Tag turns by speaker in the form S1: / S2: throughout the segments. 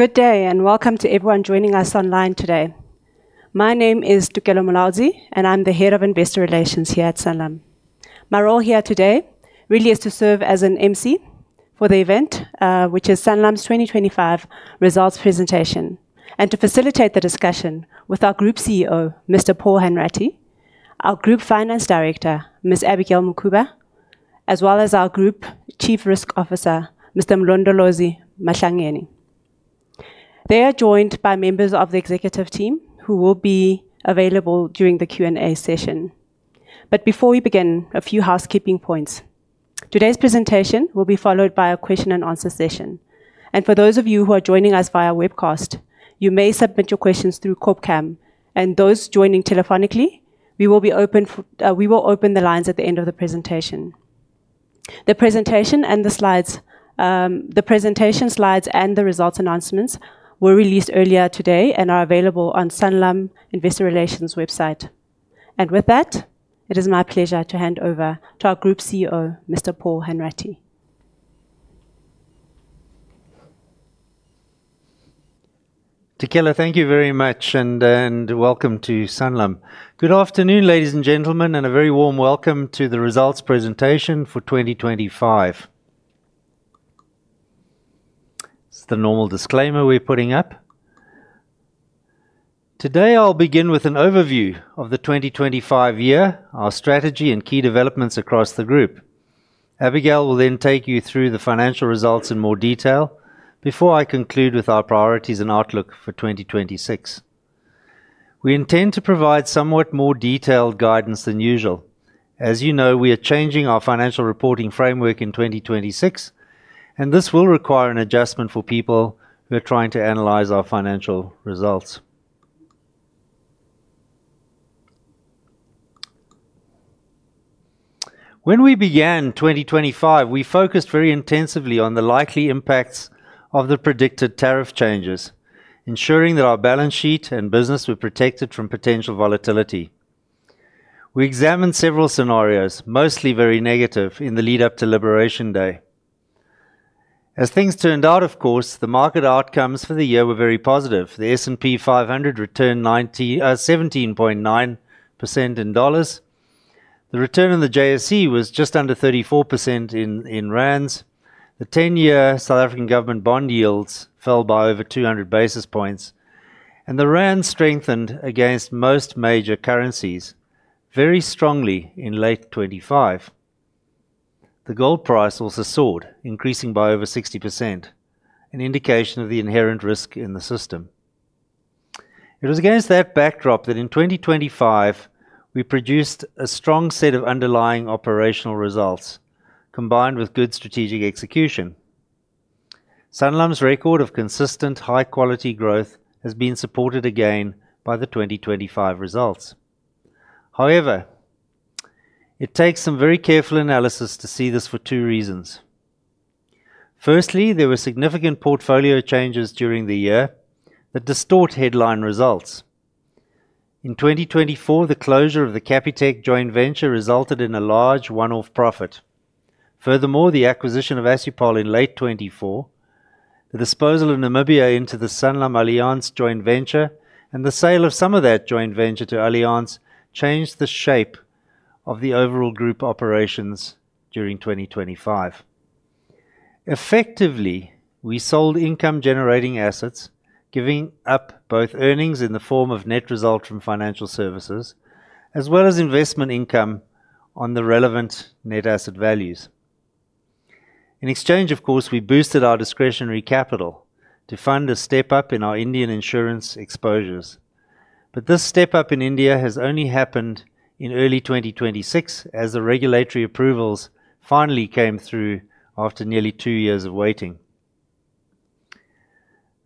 S1: Good day, and welcome to everyone joining us online today. My name is Tokelo Mulaudzi, and I'm the Head of Investor Relations here at Sanlam. My role here today really is to serve as an emcee for the event, which is Sanlam's 2025 results presentation, and to facilitate the discussion with our Group CEO, Mr. Paul Hanratty, our Group Finance Director, Ms. Abigail Mukhuba, as well as our Group Chief Risk Officer, Mr. Mlondolozi Mahlangeni. They are joined by members of the executive team who will be available during the Q&A session. Before we begin, a few housekeeping points. Today's presentation will be followed by a question-and-answer session. For those of you who are joining us via webcast, you may submit your questions through Corpcam and those joining telephonically, we will open the lines at the end of the presentation. The presentation slides and the results announcements were released earlier today and are available on Sanlam Investor Relations website. With that, it is my pleasure to hand over to our Group CEO, Mr. Paul Hanratty.
S2: Tokelo, thank you very much and welcome to Sanlam. Good afternoon, ladies and gentlemen, and a very warm welcome to the results presentation for 2025. This is the normal disclaimer we're putting up. Today, I'll begin with an overview of the 2025 year, our strategy and key developments across the group. Abigail will then take you through the financial results in more detail before I conclude with our priorities and outlook for 2026. We intend to provide somewhat more detailed guidance than usual. As you know, we are changing our financial reporting framework in 2026, and this will require an adjustment for people who are trying to analyze our financial results. When we began 2025, we focused very intensively on the likely impacts of the predicted tariff changes, ensuring that our balance sheet and business were protected from potential volatility. We examined several scenarios, mostly very negative in the lead up to Liberation Day. As things turned out, of course, the market outcomes for the year were very positive. The S&P 500 returned 17.9% in dollars. The return on the JSE was just under 34% in rands. The 10-year South African government bond yields fell by over 200 basis points, and the rand strengthened against most major currencies very strongly in late 2025. The gold price also soared, increasing by over 60%, an indication of the inherent risk in the system. It was against that backdrop that in 2025 we produced a strong set of underlying operational results combined with good strategic execution. Sanlam's record of consistent high quality growth has been supported again by the 2025 results. However, it takes some very careful analysis to see this for two reasons. Firstly, there were significant portfolio changes during the year that distort headline results. In 2024, the closure of the Capitec joint venture resulted in a large one-off profit. Furthermore, the acquisition of Assupol in late 2024, the disposal of Namibia into the SanlamAllianz joint venture, and the sale of some of that joint venture to Allianz changed the shape of the overall group operations during 2025. Effectively, we sold income generating assets, giving up both earnings in the form of net results from financial services, as well as investment income on the relevant net asset values. In exchange, of course, we boosted our discretionary capital to fund a step up in our Indian insurance exposures. This step up in India has only happened in early 2026 as the regulatory approvals finally came through after nearly two years of waiting.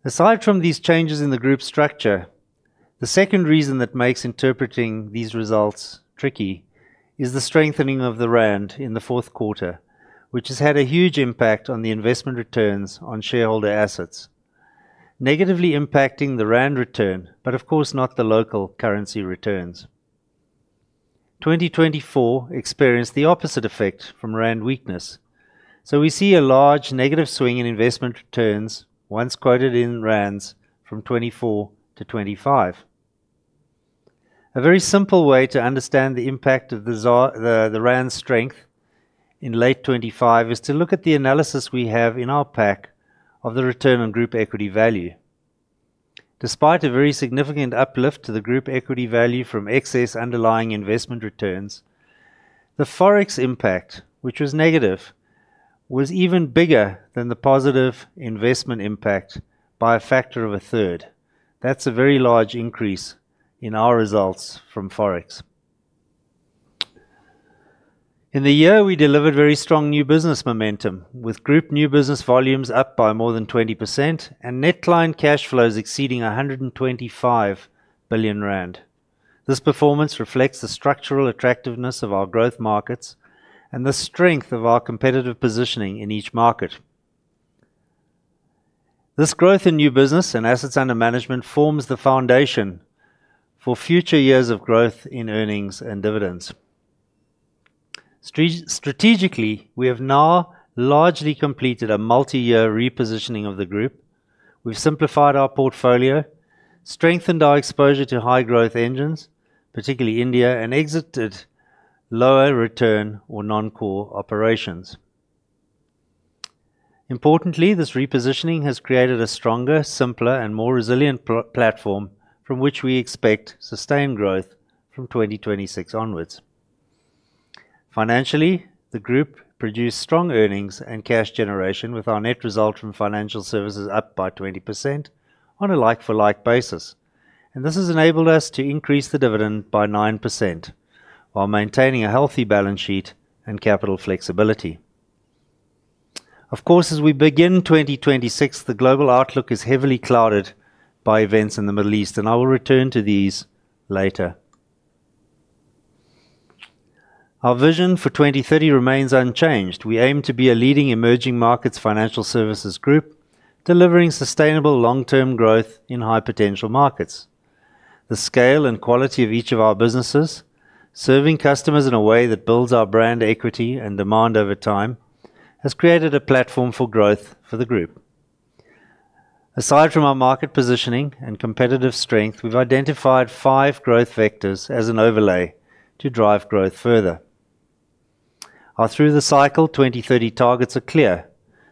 S2: Aside from these changes in the group structure, the second reason that makes interpreting these results tricky is the strengthening of the rand in the fourth quarter, which has had a huge impact on the investment returns on shareholder assets, negatively impacting the rand return, but of course not the local currency returns. 2024 experienced the opposite effect from rand weakness, so we see a large negative swing in investment returns once quoted in rands from 2024-2025. A very simple way to understand the impact of the rand strength in late 2025 is to look at the analysis we have in our pack of the return on group equity value. Despite a very significant uplift to the group equity value from excess underlying investment returns, the Forex impact, which was negative, was even bigger than the positive investment impact by a factor of a third. That's a very large increase in our results from Forex. In the year, we delivered very strong new business momentum with group new business volumes up by more than 20% and net client cash flows exceeding 125 billion rand. This performance reflects the structural attractiveness of our growth markets and the strength of our competitive positioning in each market. This growth in new business and assets under management forms the foundation for future years of growth in earnings and dividends. Strategically, we have now largely completed a multi-year repositioning of the group. We've simplified our portfolio, strengthened our exposure to high growth engines, particularly India, and exited lower return or non-core operations. Importantly, this repositioning has created a stronger, simpler, and more resilient platform from which we expect sustained growth from 2026 onwards. Financially, the group produced strong earnings and cash generation with our net result from financial services up by 20% on a like-for-like basis. This has enabled us to increase the dividend by 9% while maintaining a healthy balance sheet and capital flexibility. Of course, as we begin 2026, the global outlook is heavily clouded by events in the Middle East, and I will return to these later. Our vision for 2030 remains unchanged. We aim to be a leading emerging markets financial services group, delivering sustainable long-term growth in high potential markets. The scale and quality of each of our businesses, serving customers in a way that builds our brand equity and demand over time, has created a platform for growth for the group. Aside from our market positioning and competitive strength, we've identified five growth vectors as an overlay to drive growth further. Our through the cycle 2030 targets are clear.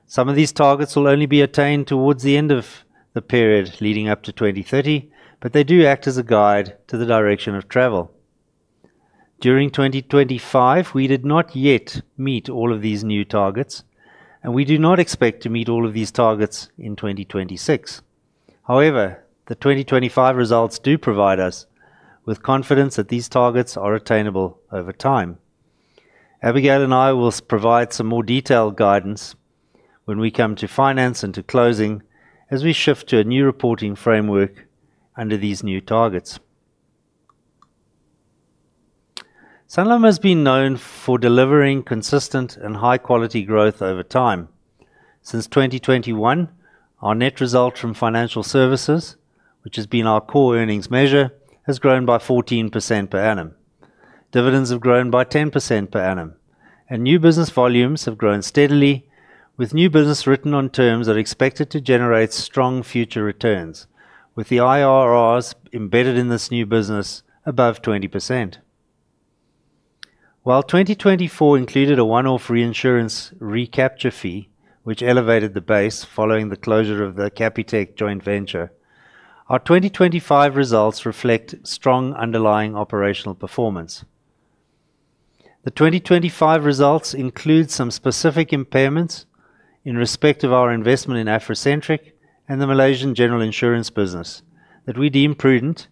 S2: Some of these targets will only be attained towards the end of the period leading up to 2030, but they do act as a guide to the direction of travel. During 2025, we did not yet meet all of these new targets, and we do not expect to meet all of these targets in 2026. However, the 2025 results do provide us with confidence that these targets are attainable over time. Abigail and I will provide some more detailed guidance when we come to finance and to closing as we shift to a new reporting framework under these new targets. Sanlam has been known for delivering consistent and high quality growth over time. Since 2021, our net result from financial services, which has been our core earnings measure, has grown by 14% per annum. Dividends have grown by 10% per annum, and new business volumes have grown steadily with new business written on terms that are expected to generate strong future returns, with the IRRs embedded in this new business above 20%. While 2024 included a one-off reinsurance recapture fee, which elevated the base following the closure of the Capitec joint venture, our 2025 results reflect strong underlying operational performance. The 2025 results include some specific impairments in respect of our investment in AfroCentric and the Malaysian general insurance business that we deem prudent.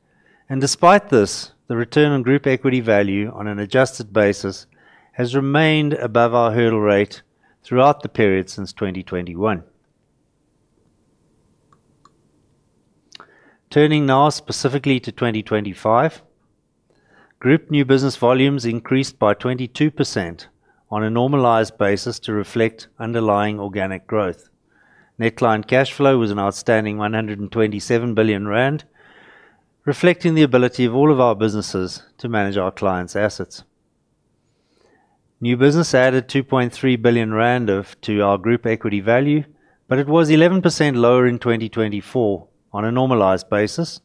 S2: Despite this, the return on group equity value on an adjusted basis has remained above our hurdle rate throughout the period since 2021. Turning now specifically to 2025. Group new business volumes increased by 22% on a normalized basis to reflect underlying organic growth. Net client cash flow was an outstanding 127 billion rand, reflecting the ability of all of our businesses to manage our clients' assets. New business added 2.3 billion rand to our group equity value, but it was 11% lower in 2024 on a normalized basis,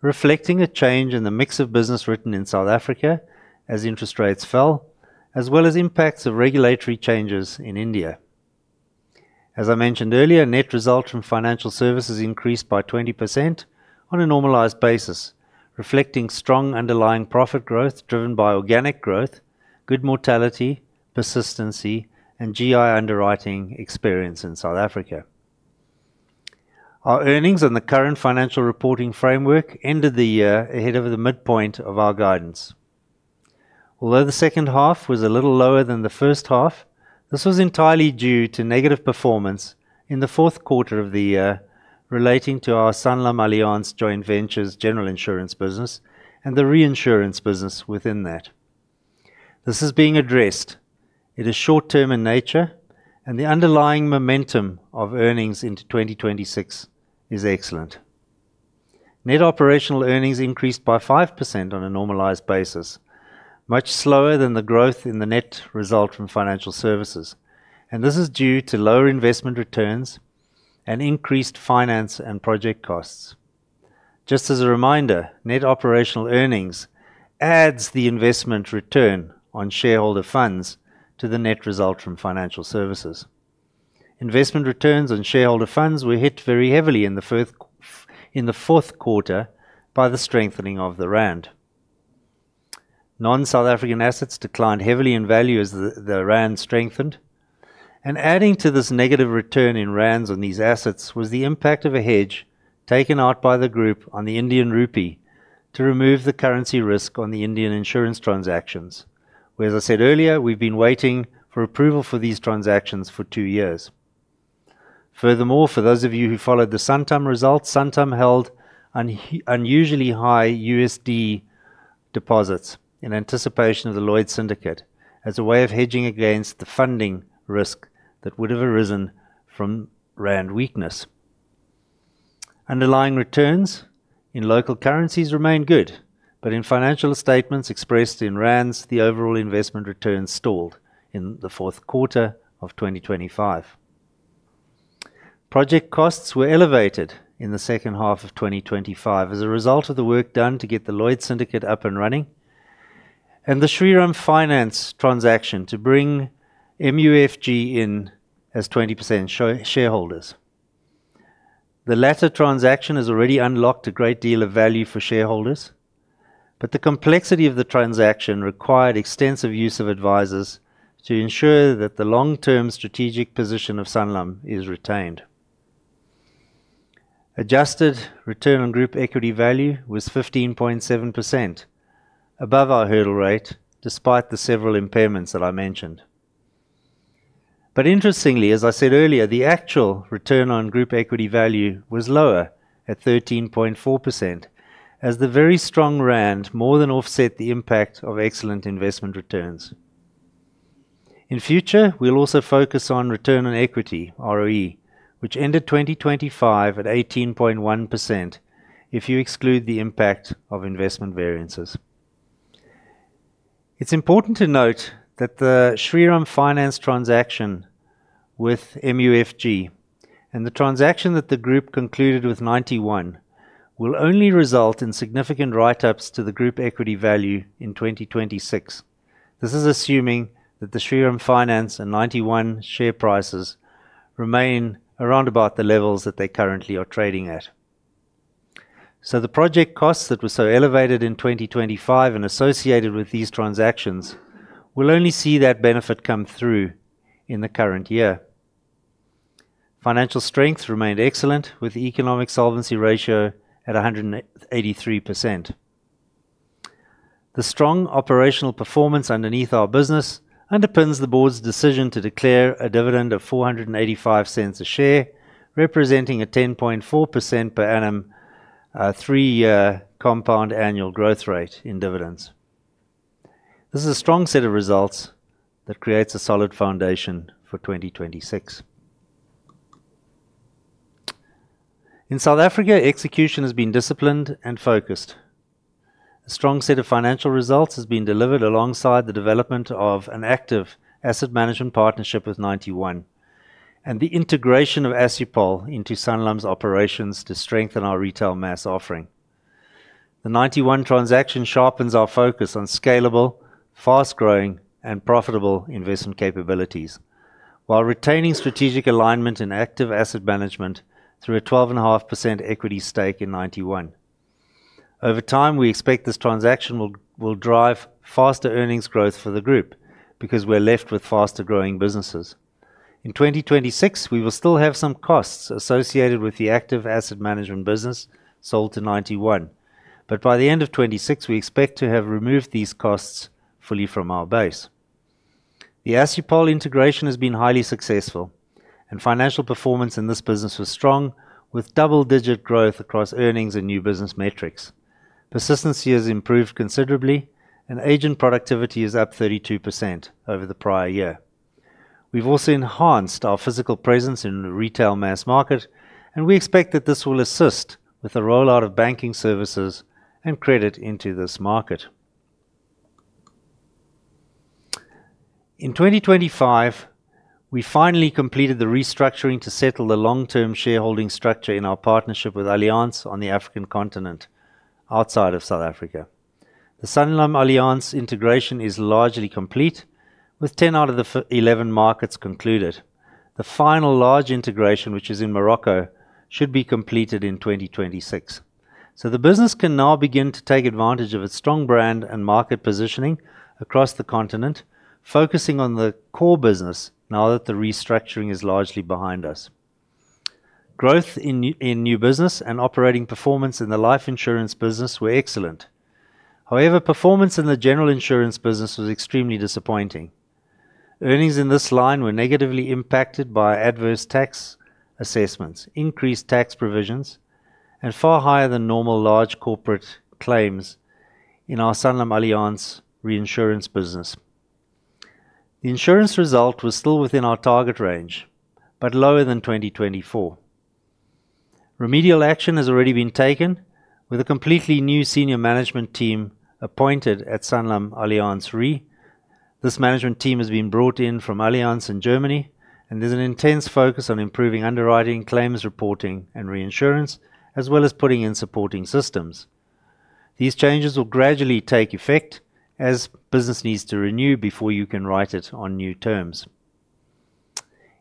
S2: reflecting a change in the mix of business written in South Africa as interest rates fell, as well as impacts of regulatory changes in India. As I mentioned earlier, net results from financial services increased by 20% on a normalized basis, reflecting strong underlying profit growth driven by organic growth, good mortality, persistency, and GI underwriting experience in South Africa. Our earnings on the current financial reporting framework ended the year ahead of the midpoint of our guidance. Although the second half was a little lower than the first half, this was entirely due to negative performance in the fourth quarter of the year relating to our SanlamAllianz joint venture's general insurance business and the reinsurance business within that. This is being addressed. It is short-term in nature, and the underlying momentum of earnings into 2026 is excellent. Net operational earnings increased by 5% on a normalized basis, much slower than the growth in the net result from financial services. This is due to lower investment returns and increased finance and project costs. Just as a reminder, net operational earnings adds the investment return on shareholder funds to the net result from financial services. Investment returns on shareholder funds were hit very heavily in the fourth quarter by the strengthening of the rand. Non-South African assets declined heavily in value as the rand strengthened. Adding to this negative return in rands on these assets was the impact of a hedge taken out by the group on the Indian rupee to remove the currency risk on the Indian insurance transactions. Whereas I said earlier, we've been waiting for approval for these transactions for two years. Furthermore, for those of you who followed the Santam results, Santam held unusually high U.S. dollar deposits in anticipation of the Lloyd's Syndicate as a way of hedging against the funding risk that would have arisen from rand weakness. Underlying returns in local currencies remain good, but in financial statements expressed in rands, the overall investment return stalled in the fourth quarter of 2025. Project costs were elevated in the second half of 2025 as a result of the work done to get the Lloyd's Syndicate up and running and the Shriram Finance transaction to bring MUFG in as 20% shareholders. The latter transaction has already unlocked a great deal of value for shareholders, but the complexity of the transaction required extensive use of advisors to ensure that the long-term strategic position of Sanlam is retained. Adjusted return on group equity value was 15.7% above our hurdle rate despite the several impairments that I mentioned. Interestingly, as I said earlier, the actual return on group equity value was lower at 13.4% as the very strong rand more than offset the impact of excellent investment returns. In future, we'll also focus on return on equity, ROE, which ended 2025 at 18.1% if you exclude the impact of investment variances. It's important to note that the Shriram Finance transaction with MUFG and the transaction that the group concluded with Ninety One will only result in significant write-ups to the group equity value in 2026. This is assuming that the Shriram Finance and Ninety One share prices remain around about the levels that they currently are trading at. The project costs that were so elevated in 2025 and associated with these transactions will only see that benefit come through in the current year. Financial strength remained excellent, with the economic solvency ratio at 183%. The strong operational performance underneath our business underpins the board's decision to declare a dividend of 4.85 per share, representing a 10.4% per annum three-year compound annual growth rate in dividends. This is a strong set of results that creates a solid foundation for 2026. In South Africa, execution has been disciplined and focused. A strong set of financial results has been delivered alongside the development of an active asset management partnership with Ninety One and the integration of Assupol into Sanlam's operations to strengthen our retail mass offering. The Ninety One transaction sharpens our focus on scalable, fast-growing, and profitable investment capabilities while retaining strategic alignment in active asset management through a 12.5% equity stake in Ninety One. Over time, we expect this transaction will drive faster earnings growth for the group because we're left with faster-growing businesses. In 2026, we will still have some costs associated with the active asset management business sold to Ninety One. By the end of 2026, we expect to have removed these costs fully from our base. The Assupol integration has been highly successful, and financial performance in this business was strong, with double-digit growth across earnings and new business metrics. Persistence here has improved considerably, and agent productivity is up 32% over the prior year. We've also enhanced our physical presence in the retail mass market, and we expect that this will assist with the rollout of banking services and credit into this market. In 2025, we finally completed the restructuring to settle the long-term shareholding structure in our partnership with Allianz on the African continent outside of South Africa. The SanlamAllianz integration is largely complete, with 10 out of the 11 markets concluded. The final large integration, which is in Morocco, should be completed in 2026. The business can now begin to take advantage of its strong brand and market positioning across the continent, focusing on the core business now that the restructuring is largely behind us. Growth in new business and operating performance in the life insurance business were excellent. However, performance in the general insurance business was extremely disappointing. Earnings in this line were negatively impacted by adverse tax assessments, increased tax provisions, and far higher than normal large corporate claims in our SanlamAllianz reinsurance business. The insurance result was still within our target range, but lower than 2024. Remedial action has already been taken with a completely new senior management team appointed at SanlamAllianz Re. This management team has been brought in from Allianz in Germany, and there's an intense focus on improving underwriting, claims reporting, and reinsurance, as well as putting in supporting systems. These changes will gradually take effect as business needs to renew before you can write it on new terms.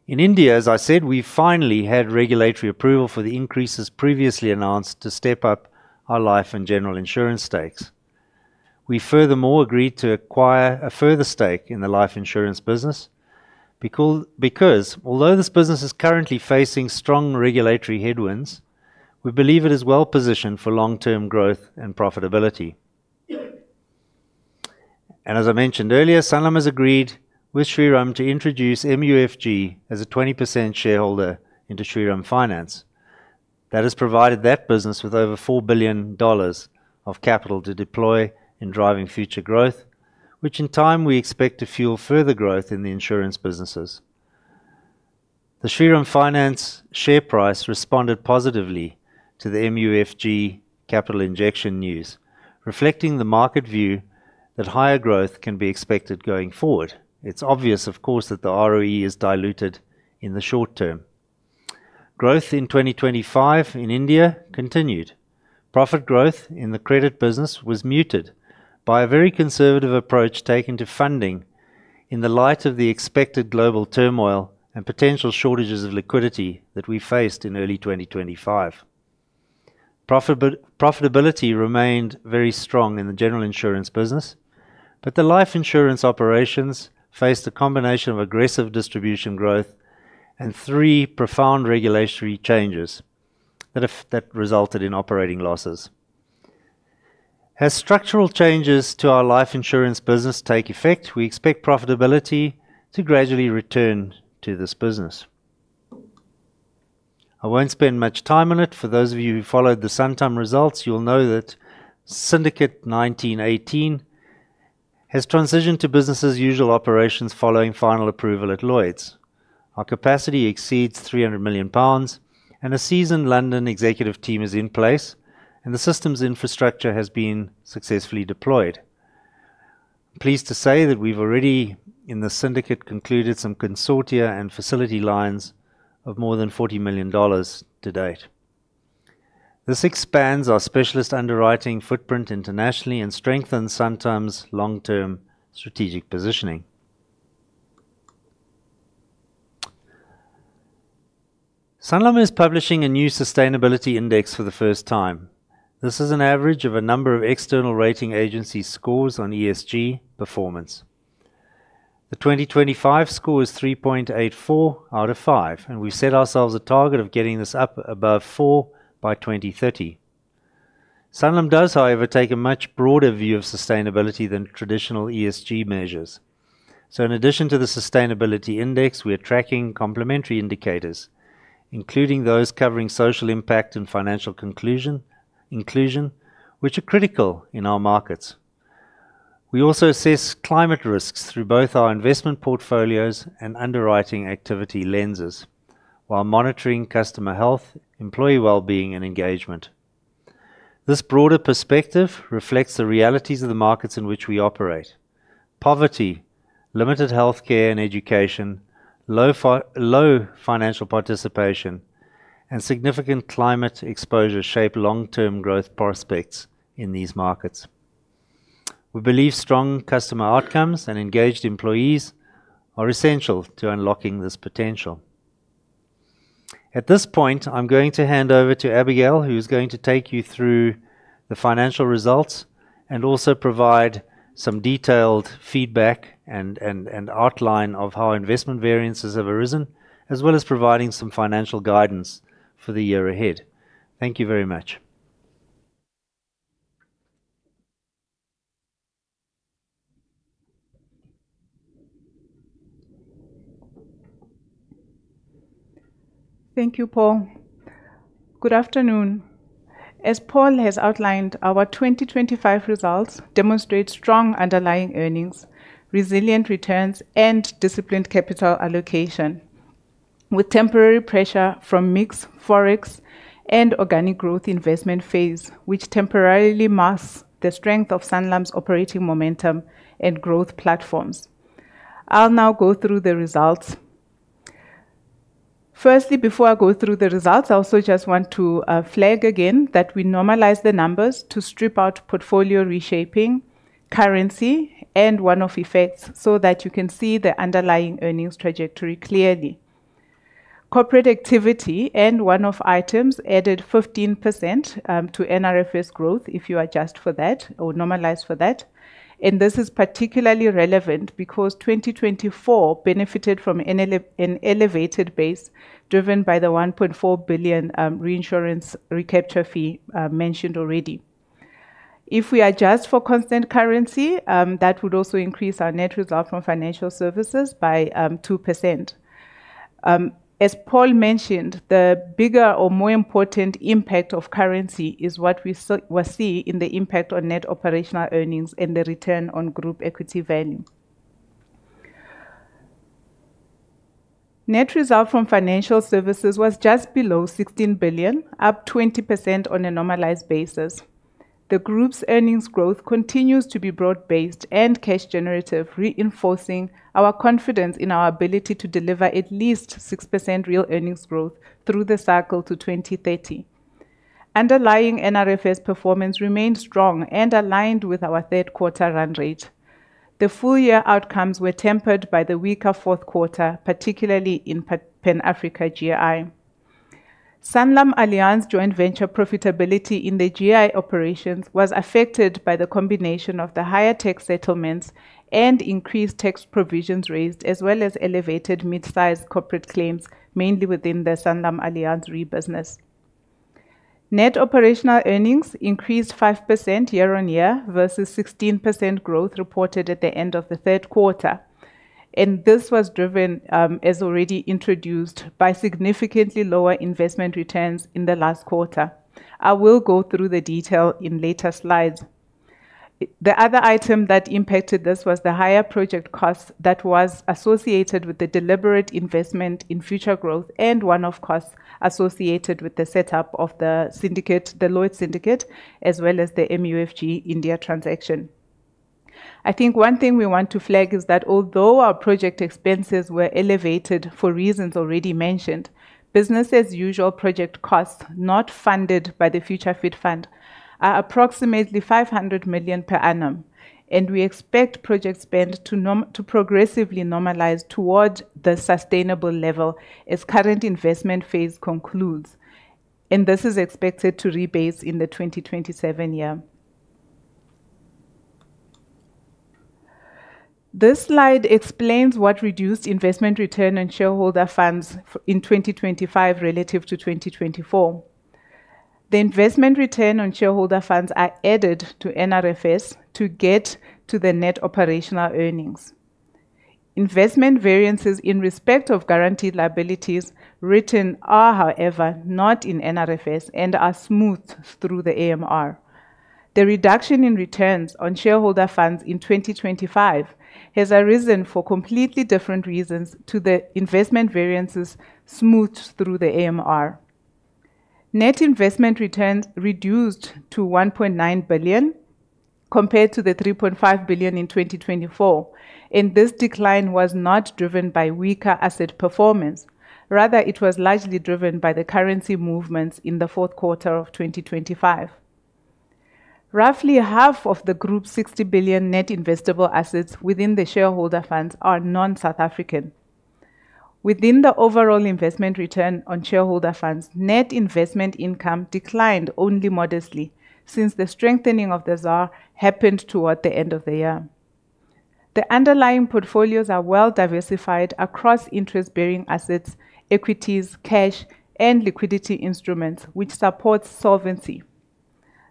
S2: In India, as I said, we finally had regulatory approval for the increases previously announced to step up our life and general insurance stakes. We furthermore agreed to acquire a further stake in the life insurance business because although this business is currently facing strong regulatory headwinds, we believe it is well positioned for long-term growth and profitability. Sanlam has agreed with Shriram to introduce MUFG as a 20% shareholder into Shriram Finance. That has provided that business with over $4 billion of capital to deploy in driving future growth, which in time we expect to fuel further growth in the insurance businesses. The Shriram Finance share price responded positively to the MUFG capital injection news, reflecting the market view that higher growth can be expected going forward. It's obvious, of course, that the ROE is diluted in the short term. Growth in 2025 in India continued. Profit growth in the credit business was muted by a very conservative approach taken to funding in the light of the expected global turmoil and potential shortages of liquidity that we faced in early 2025. Profitability remained very strong in the general insurance business, but the life insurance operations faced a combination of aggressive distribution growth and three profound regulatory changes that resulted in operating losses. As structural changes to our life insurance business take effect, we expect profitability to gradually return to this business. I won't spend much time on it. For those of you who followed the Santam results, you'll know that Syndicate 1918 has transitioned to business-as-usual operations following final approval at Lloyd's. Our capacity exceeds 300 million pounds, and a seasoned London executive team is in place, and the systems infrastructure has been successfully deployed. Pleased to say that we've already, in the syndicate, concluded some consortia and facility lines of more than $40 million to date. This expands our specialist underwriting footprint internationally and strengthens Santam's long-term strategic positioning. Sanlam is publishing a new sustainability index for the first time. This is an average of a number of external rating agencies' scores on ESG performance. The 2025 score is 3.84 out of five, and we've set ourselves a target of getting this up above four by 2030. Sanlam does, however, take a much broader view of sustainability than traditional ESG measures. In addition to the sustainability index, we are tracking complementary indicators, including those covering social impact and financial inclusion, which are critical in our markets. We also assess climate risks through both our investment portfolios and underwriting activity lenses while monitoring customer health, employee wellbeing, and engagement. This broader perspective reflects the realities of the markets in which we operate. Poverty, limited healthcare and education, low financial participation, and significant climate exposure shape long-term growth prospects in these markets. We believe strong customer outcomes and engaged employees are essential to unlocking this potential. At this point, I'm going to hand over to Abigail, who's going to take you through the financial results and also provide some detailed feedback and outline of how investment variances have arisen, as well as providing some financial guidance for the year ahead. Thank you very much.
S3: Thank you, Paul. Good afternoon. As Paul has outlined, our 2025 results demonstrate strong underlying earnings, resilient returns, and disciplined capital allocation, with temporary pressure from mix, forex, and organic growth investment phase, which temporarily masks the strength of Sanlam's operating momentum and growth platforms. I'll now go through the results. Firstly, before I go through the results, I also just want to flag again that we normalize the numbers to strip out portfolio reshaping, currency, and one-off effects so that you can see the underlying earnings trajectory clearly. Corporate activity and one-off items added 15% to NRFFS growth if you adjust for that or normalize for that. This is particularly relevant because 2024 benefited from an elevated base driven by the 1.4 billion reinsurance recapture fee mentioned already. If we adjust for constant currency, that would also increase our net result from financial services by 2%. As Paul mentioned, the bigger or more important impact of currency is what we see in the impact on net operational earnings and the return on group equity value. Net result from financial services was just below 16 billion, up 20% on a normalized basis. The group's earnings growth continues to be broad-based and cash generative, reinforcing our confidence in our ability to deliver at least 6% real earnings growth through the cycle to 2030. Underlying NRFFS performance remained strong and aligned with our third quarter run rate. The full year outcomes were tempered by the weaker fourth quarter, particularly in Pan Africa GI. SanlamAllianz joint venture profitability in the GI operations was affected by the combination of the higher tax settlements and increased tax provisions raised, as well as elevated mid-sized corporate claims, mainly within the SanlamAllianz Re business. Net operational earnings increased 5% year-on-year versus 16% growth reported at the end of the third quarter. This was driven, as already introduced, by significantly lower investment returns in the last quarter. I will go through the detail in later slides. The other item that impacted this was the higher project cost that was associated with the deliberate investment in future growth and one-off costs associated with the setup of the syndicate, the Lloyd's Syndicate, as well as the MUFG India transaction. I think one thing we want to flag is that although our project expenses were elevated for reasons already mentioned, business as usual project costs not funded by the Future Fit Fund are approximately 500 million per annum, and we expect project spend to progressively normalize toward the sustainable level as current investment phase concludes, and this is expected to rebase in the 2027 year. This slide explains what reduced investment return and shareholder funds in 2025 relative to 2024. The investment return on shareholder funds are added to NRFFS to get to the net operational earnings. Investment variances in respect of guaranteed liabilities written are, however, not in NRFFS and are smoothed through the AMR. The reduction in returns on shareholder funds in 2025 has arisen for completely different reasons to the investment variances smoothed through the AMR. Net investment returns reduced to 1.9 billion compared to the 3.5 billion in 2024, and this decline was not driven by weaker asset performance. Rather, it was largely driven by the currency movements in the fourth quarter of 2025. Roughly half of the Group 60 billion net investable assets within the shareholder funds are non-South African. Within the overall investment return on shareholder funds, net investment income declined only modestly since the strengthening of the ZAR happened toward the end of the year. The underlying portfolios are well diversified across interest-bearing assets, equities, cash, and liquidity instruments, which supports solvency.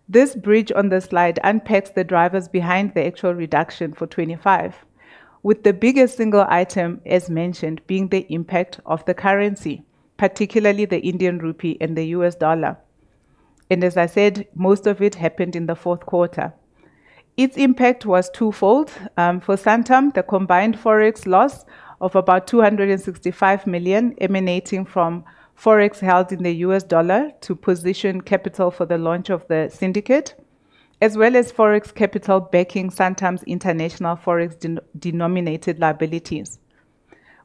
S3: This bridge on the slide unpacks the drivers behind the actual reduction for 2025, with the biggest single item, as mentioned, being the impact of the currency, particularly the Indian rupee and the U.S. dollar. As I said, most of it happened in the fourth quarter. Its impact was twofold. For Santam, the combined Forex loss of about 265 million emanating from Forex held in the U.S. dollar to position capital for the launch of the syndicate, as well as Forex capital backing Santam's international Forex denominated liabilities.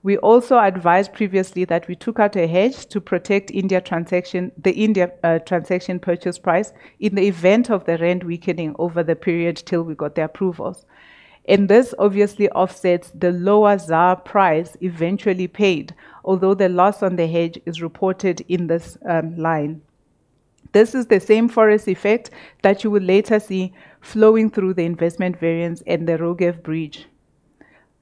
S3: We also advised previously that we took out a hedge to protect India transaction, the India transaction purchase price in the event of the rand weakening over the period till we got the approvals. This obviously offsets the lower ZAR price eventually paid, although the loss on the hedge is reported in this line. This is the same Forex effect that you will later see flowing through the investment variance and the RoGEV bridge.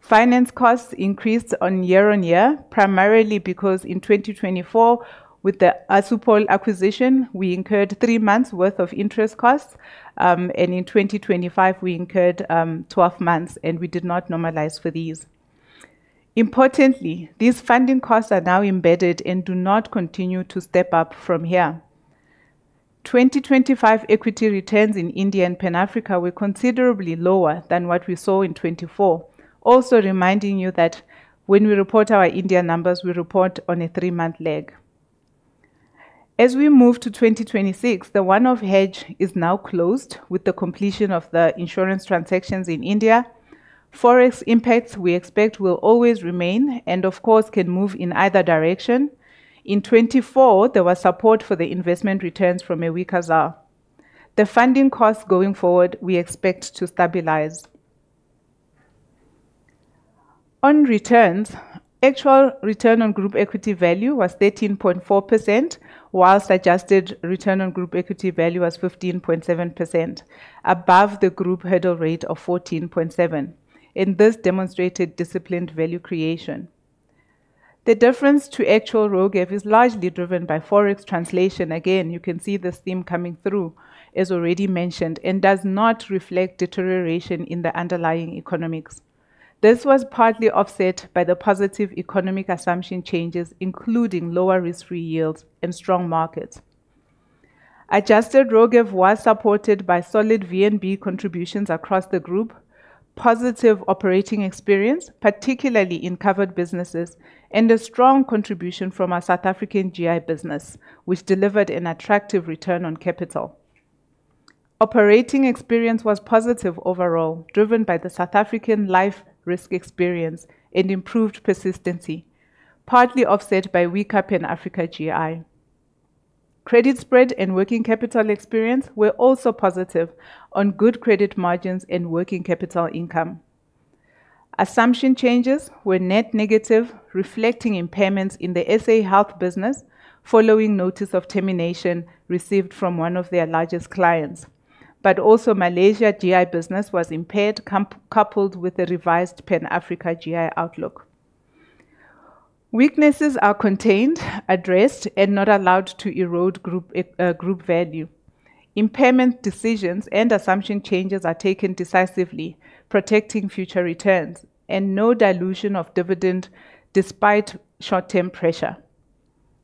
S3: Finance costs increased year-on-year, primarily because in 2024, with the Assupol acquisition, we incurred 3 months' worth of interest costs. In 2025 we incurred 12 months, and we did not normalize for these. Importantly, these funding costs are now embedded and do not continue to step up from here. 2025 equity returns in India and Pan Africa were considerably lower than what we saw in 2024. Also reminding you that when we report our India numbers, we report on a three-month lag. As we move to 2026, the one-off hedge is now closed with the completion of the insurance transactions in India. Forex impacts we expect will always remain and of course, can move in either direction. In 2024, there was support for the investment returns from a weaker ZAR. The funding costs going forward, we expect to stabilize. On returns, actual return on group equity value was 13.4%, while adjusted return on group equity value was 15.7% above the group hurdle rate of 14.7%, and this demonstrated disciplined value creation. The difference to actual RoGEV is largely driven by Forex translation. Again, you can see this theme coming through as already mentioned, and does not reflect deterioration in the underlying economics. This was partly offset by the positive economic assumption changes, including lower risk-free yields and strong markets. Adjusted RoGEV was supported by solid VNB contributions across the group, positive operating experience, particularly in covered businesses, and a strong contribution from our South African GI business, which delivered an attractive return on capital. Operating experience was positive overall, driven by the South African life risk experience and improved persistency, partly offset by weaker Pan Africa GI. Credit spread and working capital experience were also positive on good credit margins and working capital income. Assumption changes were net negative, reflecting impairments in the SA health business following notice of termination received from one of their largest clients. Also Malaysia GI business was impaired, coupled with a revised Pan Africa GI outlook. Weaknesses are contained, addressed, and not allowed to erode group value. Impairment decisions and assumption changes are taken decisively, protecting future returns and no dilution of dividend despite short-term pressure.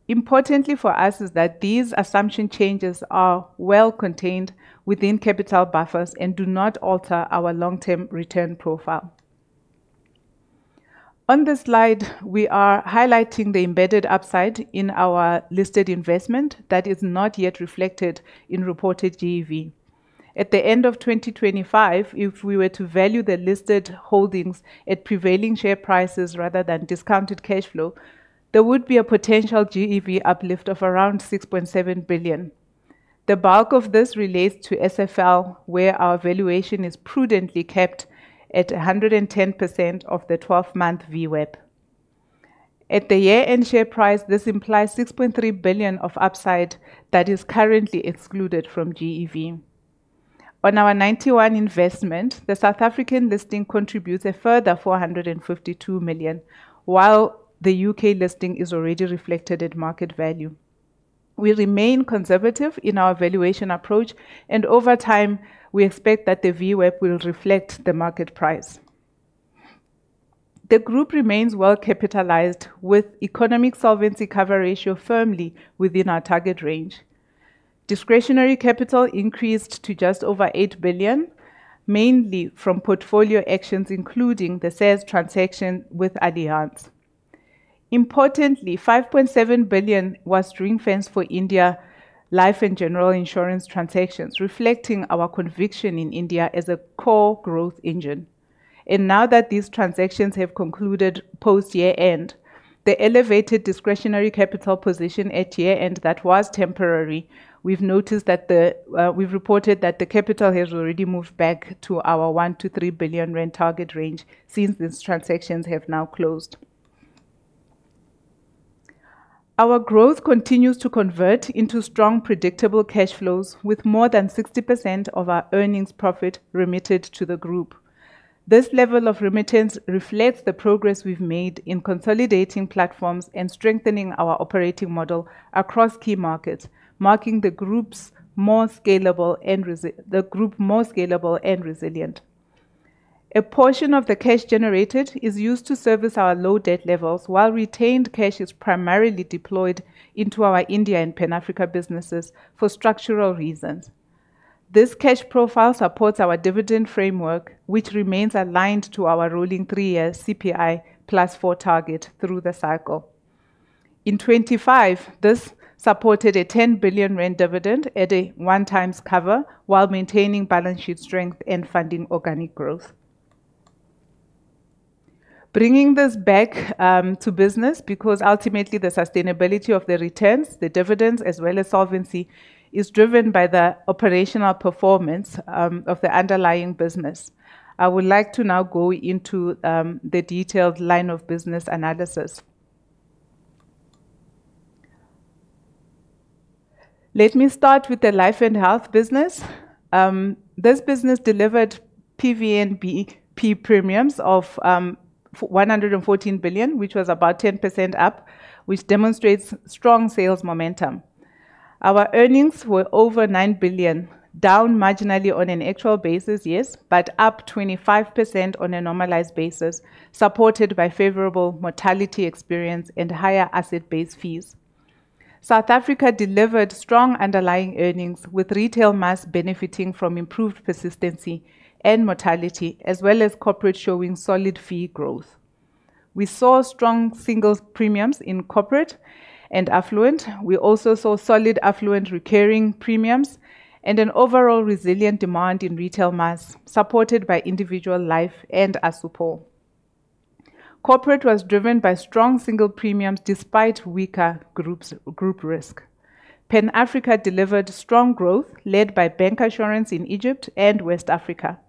S3: Importantly for us is that these assumption changes are well contained within capital buffers and do not alter our long-term return profile. On this slide, we are highlighting the embedded upside in our listed investment that is not yet reflected in reported GEV. At the end of 2025, if we were to value the listed holdings at prevailing share prices rather than discounted cash flow, there would be a potential GEV uplift of around 6.7 billion. The bulk of this relates to SFL, where our valuation is prudently kept at 110% of the 12-month VWAP. At the year-end share price, this implies 6.3 billion of upside that is currently excluded from GEV. On our Ninety One investment, the South African listing contributes a further 452 million, while the U.K. listing is already reflected at market value. We remain conservative in our valuation approach, and over time, we expect that the VWAP will reflect the market price. The group remains well capitalized with economic solvency cover ratio firmly within our target range. Discretionary capital increased to just over 8 billion, mainly from portfolio actions, including the sales transaction with Allianz. Importantly, 5.7 billion was ring-fenced for India Life and General Insurance transactions, reflecting our conviction in India as a core growth engine. Now that these transactions have concluded post-year end, the elevated discretionary capital position at year-end that was temporary, we've reported that the capital has already moved back to our 1 billion-3 billion rand target range since these transactions have now closed. Our growth continues to convert into strong, predictable cash flows with more than 60% of our earnings profit remitted to the group. This level of remittance reflects the progress we've made in consolidating platforms and strengthening our operating model across key markets, making the group more scalable and resilient. A portion of the cash generated is used to service our low debt levels, while retained cash is primarily deployed into our India and Pan Africa businesses for structural reasons. This cash profile supports our dividend framework, which remains aligned to our rolling three-year CPI plus four target through the cycle. In 2025, this supported a 10 billion rand dividend at a one times cover while maintaining balance sheet strength and funding organic growth. Bringing this back to business because ultimately the sustainability of the returns, the dividends, as well as solvency, is driven by the operational performance of the underlying business. I would like to now go into the detailed line of business analysis. Let me start with the Life and Health business. This business delivered PVNBP premiums of 114 billion, which was about 10% up, which demonstrates strong sales momentum. Our earnings were over 9 billion, down marginally on an actual basis, yes, but up 25% on a normalized basis, supported by favorable mortality experience and higher asset-based fees. South Africa delivered strong underlying earnings, with retail mass benefiting from improved persistency and mortality, as well as corporate showing solid fee growth. We saw strong single premiums in corporate and affluent. We also saw solid affluent recurring premiums and an overall resilient demand in retail mass, supported by individual life and Assupol. Corporate was driven by strong single premiums despite weaker groups, group risk. Pan Africa delivered strong growth led by bank assurance in Egypt and West Africa.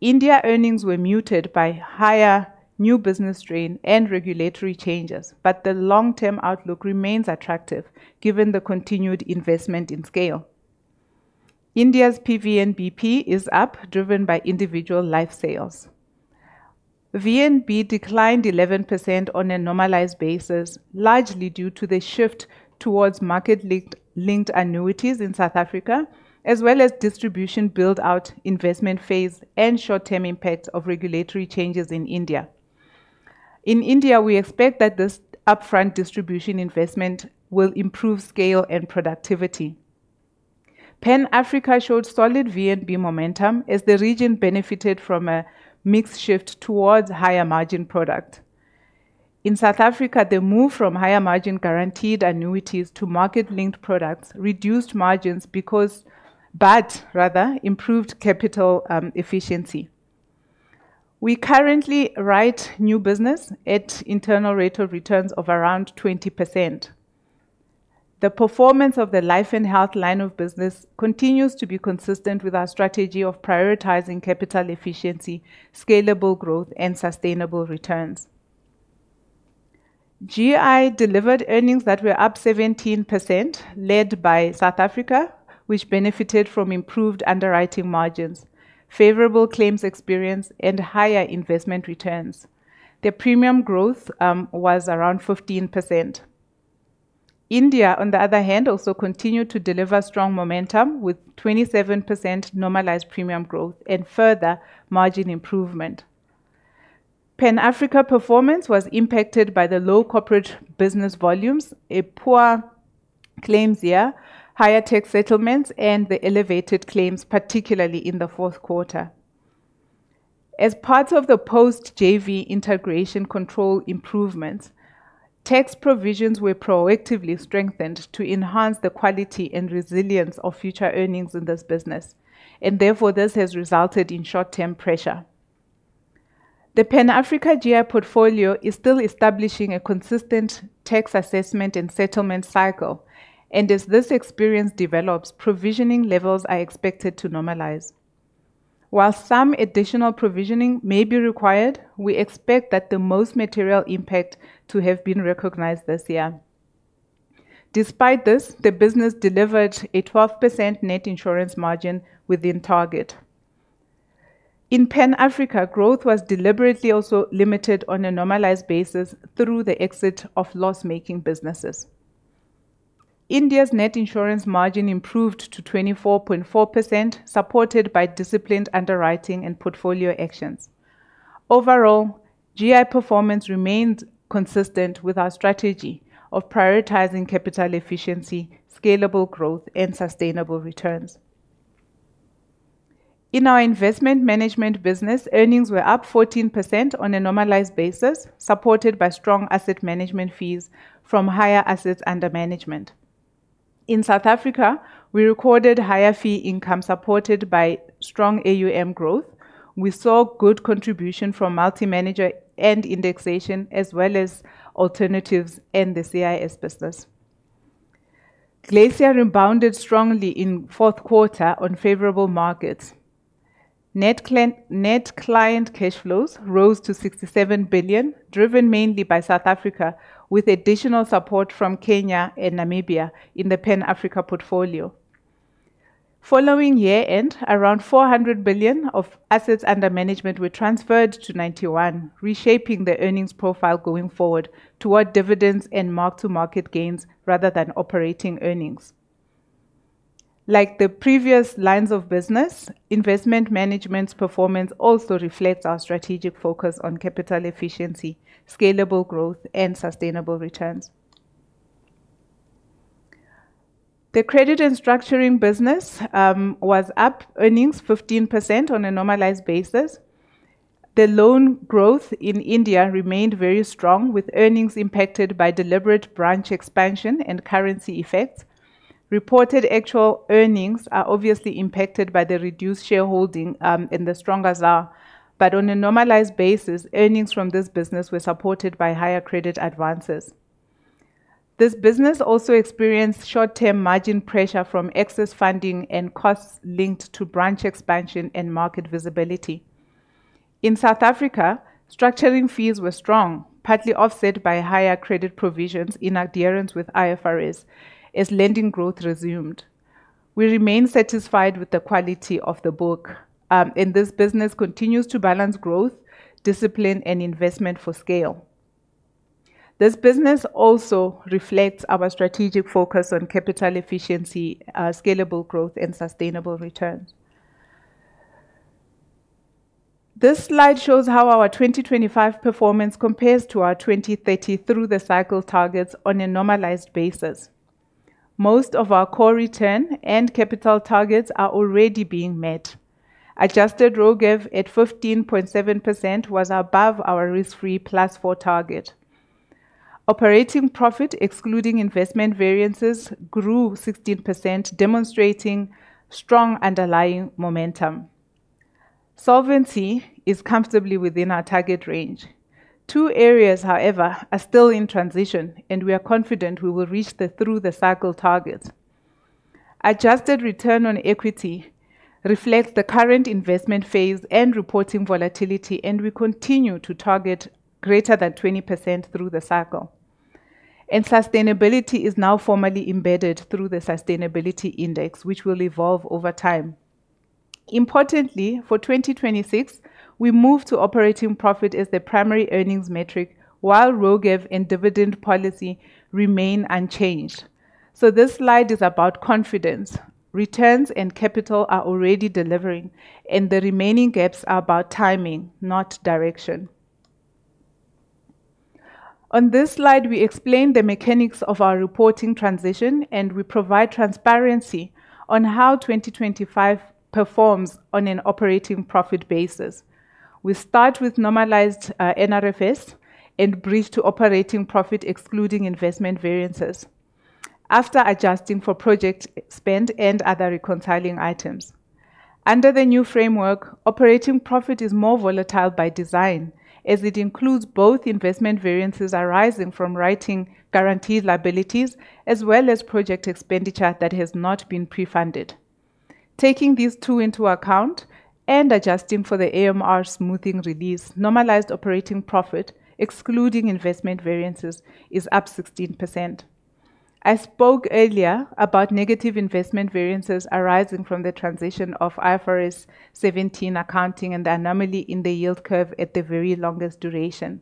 S3: India earnings were muted by higher new business drain and regulatory changes, but the long-term outlook remains attractive given the continued investment in scale. India's PVNBP is up, driven by individual life sales. VNB declined 11% on a normalized basis, largely due to the shift towards market-linked annuities in South Africa, as well as distribution build-out investment phase and short-term impact of regulatory changes in India. In India, we expect that this upfront distribution investment will improve scale and productivity. Pan Africa showed solid VNB momentum as the region benefited from a mix shift towards higher margin product. In South Africa, the move from higher margin guaranteed annuities to market-linked products reduced margins but rather improved capital efficiency. We currently write new business at internal rate of returns of around 20%. The performance of the Life and Health line of business continues to be consistent with our strategy of prioritizing capital efficiency, scalable growth, and sustainable returns. GI delivered earnings that were up 17%, led by South Africa, which benefited from improved underwriting margins, favorable claims experience, and higher investment returns. The premium growth was around 15%. India, on the other hand, also continued to deliver strong momentum with 27% normalized premium growth and further margin improvement. Pan Africa performance was impacted by the low corporate business volumes, a poor claims year, higher tax settlements, and the elevated claims, particularly in the fourth quarter. As part of the post JV integration control improvements, tax provisions were proactively strengthened to enhance the quality and resilience of future earnings in this business. Therefore, this has resulted in short-term pressure. The Pan Africa GI portfolio is still establishing a consistent tax assessment and settlement cycle. As this experience develops, provisioning levels are expected to normalize. While some additional provisioning may be required, we expect that the most material impact to have been recognized this year. Despite this, the business delivered a 12% net insurance margin within target. In Pan Africa, growth was deliberately also limited on a normalized basis through the exit of loss-making businesses. India's net insurance margin improved to 24.4%, supported by disciplined underwriting and portfolio actions. Overall, GI performance remained consistent with our strategy of prioritizing capital efficiency, scalable growth, and sustainable returns. In our investment management business, earnings were up 14% on a normalized basis, supported by strong asset management fees from higher assets under management. In South Africa, we recorded higher fee income supported by strong AUM growth. We saw good contribution from multi-manager and indexation as well as alternatives in the CIS business. Glacier rebounded strongly in fourth quarter on favorable markets. Net client cash flows rose to 67 billion, driven mainly by South Africa, with additional support from Kenya and Namibia in the Pan Africa portfolio. Following year-end, around 400 billion of assets under management were transferred to Ninety One, reshaping the earnings profile going forward toward dividends and mark-to-market gains rather than operating earnings. Like the previous lines of business, investment management's performance also reflects our strategic focus on capital efficiency, scalable growth, and sustainable returns. The credit and structuring business was up earnings 15% on a normalized basis. The loan growth in India remained very strong, with earnings impacted by deliberate branch expansion and currency effects. Reported actual earnings are obviously impacted by the reduced shareholding, and the stronger ZAR. On a normalized basis, earnings from this business were supported by higher credit advances. This business also experienced short-term margin pressure from excess funding and costs linked to branch expansion and market visibility. In South Africa, structuring fees were strong, partly offset by higher credit provisions in adherence with IFRS as lending growth resumed. We remain satisfied with the quality of the book, and this business continues to balance growth, discipline, and investment for scale. This business also reflects our strategic focus on capital efficiency, scalable growth, and sustainable returns. This slide shows how our 2025 performance compares to our 2030 through the cycle targets on a normalized basis. Most of our core return and capital targets are already being met. Adjusted RoGEV at 15.7% was above our risk-free plus four target. Operating profit, excluding investment variances, grew 16%, demonstrating strong underlying momentum. Solvency is comfortably within our target range. Two areas, however, are still in transition, and we are confident we will reach the through-the-cycle targets. Adjusted return on equity reflects the current investment phase and reporting volatility, and we continue to target greater than 20% through the cycle. Sustainability is now formally embedded through the sustainability index, which will evolve over time. Importantly, for 2026, we move to operating profit as the primary earnings metric while RoGEV and dividend policy remain unchanged. This slide is about confidence. Returns and capital are already delivering, and the remaining gaps are about timing, not direction. On this slide, we explain the mechanics of our reporting transition, and we provide transparency on how 2025 performs on an operating profit basis. We start with normalized, NRFFS and bridge to operating profit, excluding investment variances after adjusting for project spend and other reconciling items. Under the new framework, operating profit is more volatile by design, as it includes both investment variances arising from writing guaranteed liabilities, as well as project expenditure that has not been pre-funded. Taking these two into account and adjusting for the AMR smoothing release, normalized operating profit, excluding investment variances, is up 16%. I spoke earlier about negative investment variances arising from the transition of IFRS 17 accounting and the anomaly in the yield curve at the very longest duration.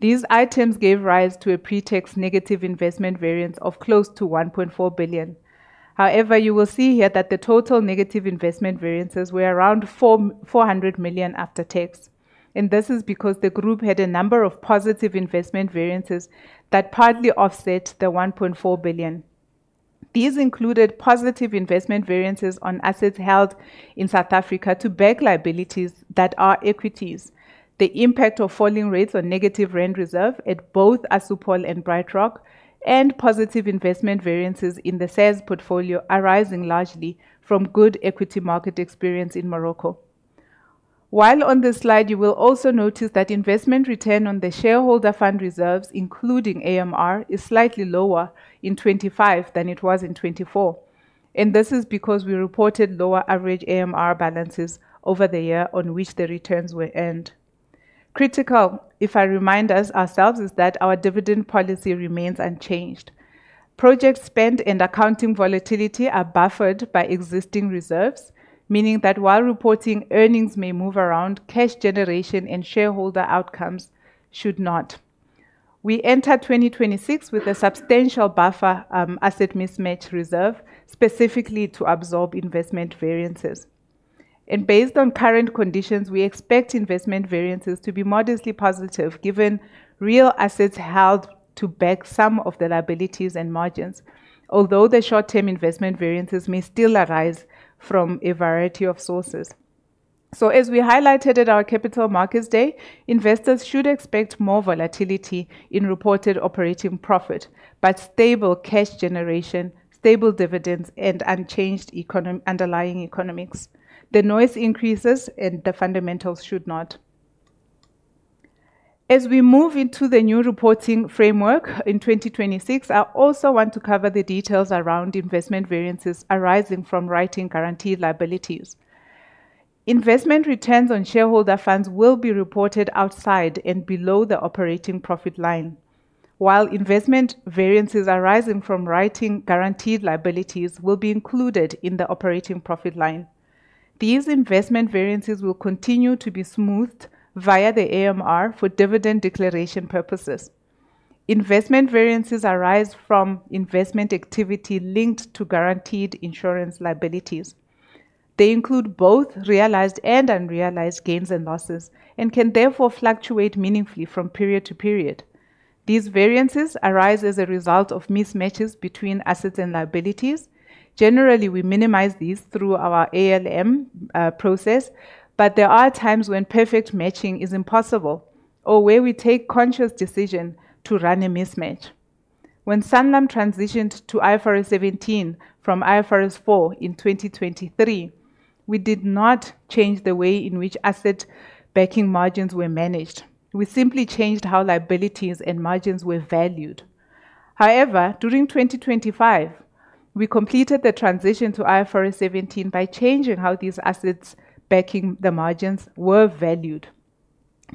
S3: These items gave rise to a pre-tax negative investment variance of close to 1.4 billion. However, you will see here that the total negative investment variances were around 400 million after tax. This is because the group had a number of positive investment variances that partly offset the 1.4 billion. These included positive investment variances on assets held in South Africa to back liabilities that are equities, the impact of falling rates on negative rand reserves at both Assupol and BrightRock, and positive investment variances in the Santam portfolio arising largely from good equity market experience in Morocco. While on this slide, you will also notice that investment return on the shareholder fund reserves, including AMR, is slightly lower in 2025 than it was in 2024. This is because we reported lower average AMR balances over the year on which the returns were earned. Critically, if I remind ourselves, is that our dividend policy remains unchanged. Project spend and accounting volatility are buffered by existing reserves, meaning that while reporting earnings may move around, cash generation and shareholder outcomes should not. We enter 2026 with a substantial buffer, asset mismatch reserve, specifically to absorb investment variances. Based on current conditions, we expect investment variances to be modestly positive, given real assets held to back some of the liabilities and margins. Although the short-term investment variances may still arise from a variety of sources. As we highlighted at our Capital Markets Day, investors should expect more volatility in reported operating profit, but stable cash generation, stable dividends, and unchanged underlying economics. The noise increases and the fundamentals should not. As we move into the new reporting framework in 2026, I also want to cover the details around investment variances arising from writing guarantee liabilities. Investment returns on shareholder funds will be reported outside and below the operating profit line. While investment variances arising from writing guaranteed liabilities will be included in the operating profit line. These investment variances will continue to be smoothed via the AMR for dividend declaration purposes. Investment variances arise from investment activity linked to guaranteed insurance liabilities. They include both realized and unrealized gains and losses, and can therefore fluctuate meaningfully from period to period. These variances arise as a result of mismatches between assets and liabilities. Generally, we minimize these through our ALM process, but there are times when perfect matching is impossible or where we take conscious decision to run a mismatch. When Sanlam transitioned to IFRS 17 from IFRS 4 in 2023, we did not change the way in which asset backing margins were managed. We simply changed how liabilities and margins were valued. However, during 2025, we completed the transition to IFRS 17 by changing how these assets backing the margins were valued.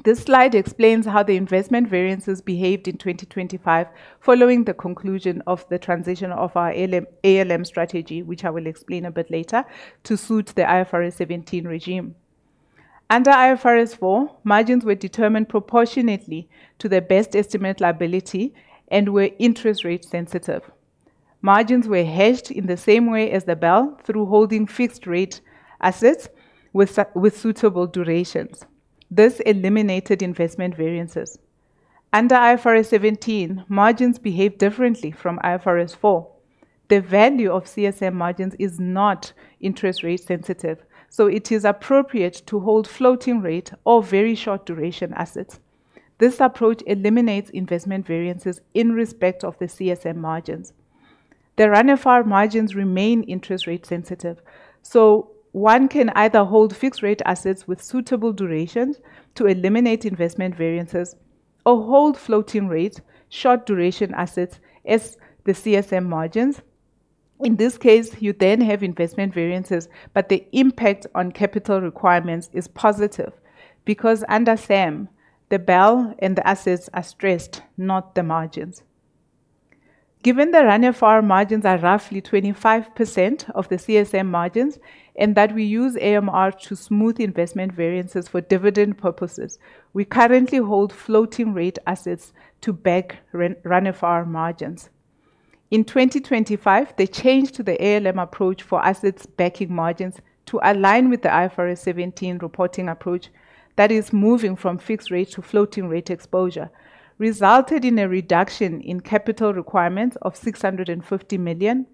S3: This slide explains how the investment variances behaved in 2025 following the conclusion of the transition of our ALM strategy, which I will explain a bit later, to suit the IFRS 17 regime. Under IFRS 4, margins were determined proportionately to the best estimate liability and were interest rate sensitive. Margins were hedged in the same way as the BEL through holding fixed rate assets with suitable durations. This eliminated investment variances. Under IFRS 17, margins behave differently from IFRS 4. The value of CSM margins is not interest rate sensitive, so it is appropriate to hold floating rate or very short duration assets. This approach eliminates investment variances in respect of the CSM margins. The RANFR margins remain interest rate sensitive, so one can either hold fixed rate assets with suitable durations to eliminate investment variances or hold floating rate, short duration assets as the CSM margins. In this case, you then have investment variances, but the impact on capital requirements is positive because under SAM, the BEL and the assets are stressed, not the margins. Given the RANFR margins are roughly 25% of the CSM margins and that we use AMR to smooth investment variances for dividend purposes, we currently hold floating rate assets to back RAN, RANFR margins. In 2025, the change to the ALM approach for assets backing margins to align with the IFRS 17 reporting approach, that is moving from fixed rate to floating rate exposure, resulted in a reduction in capital requirements of 650 million.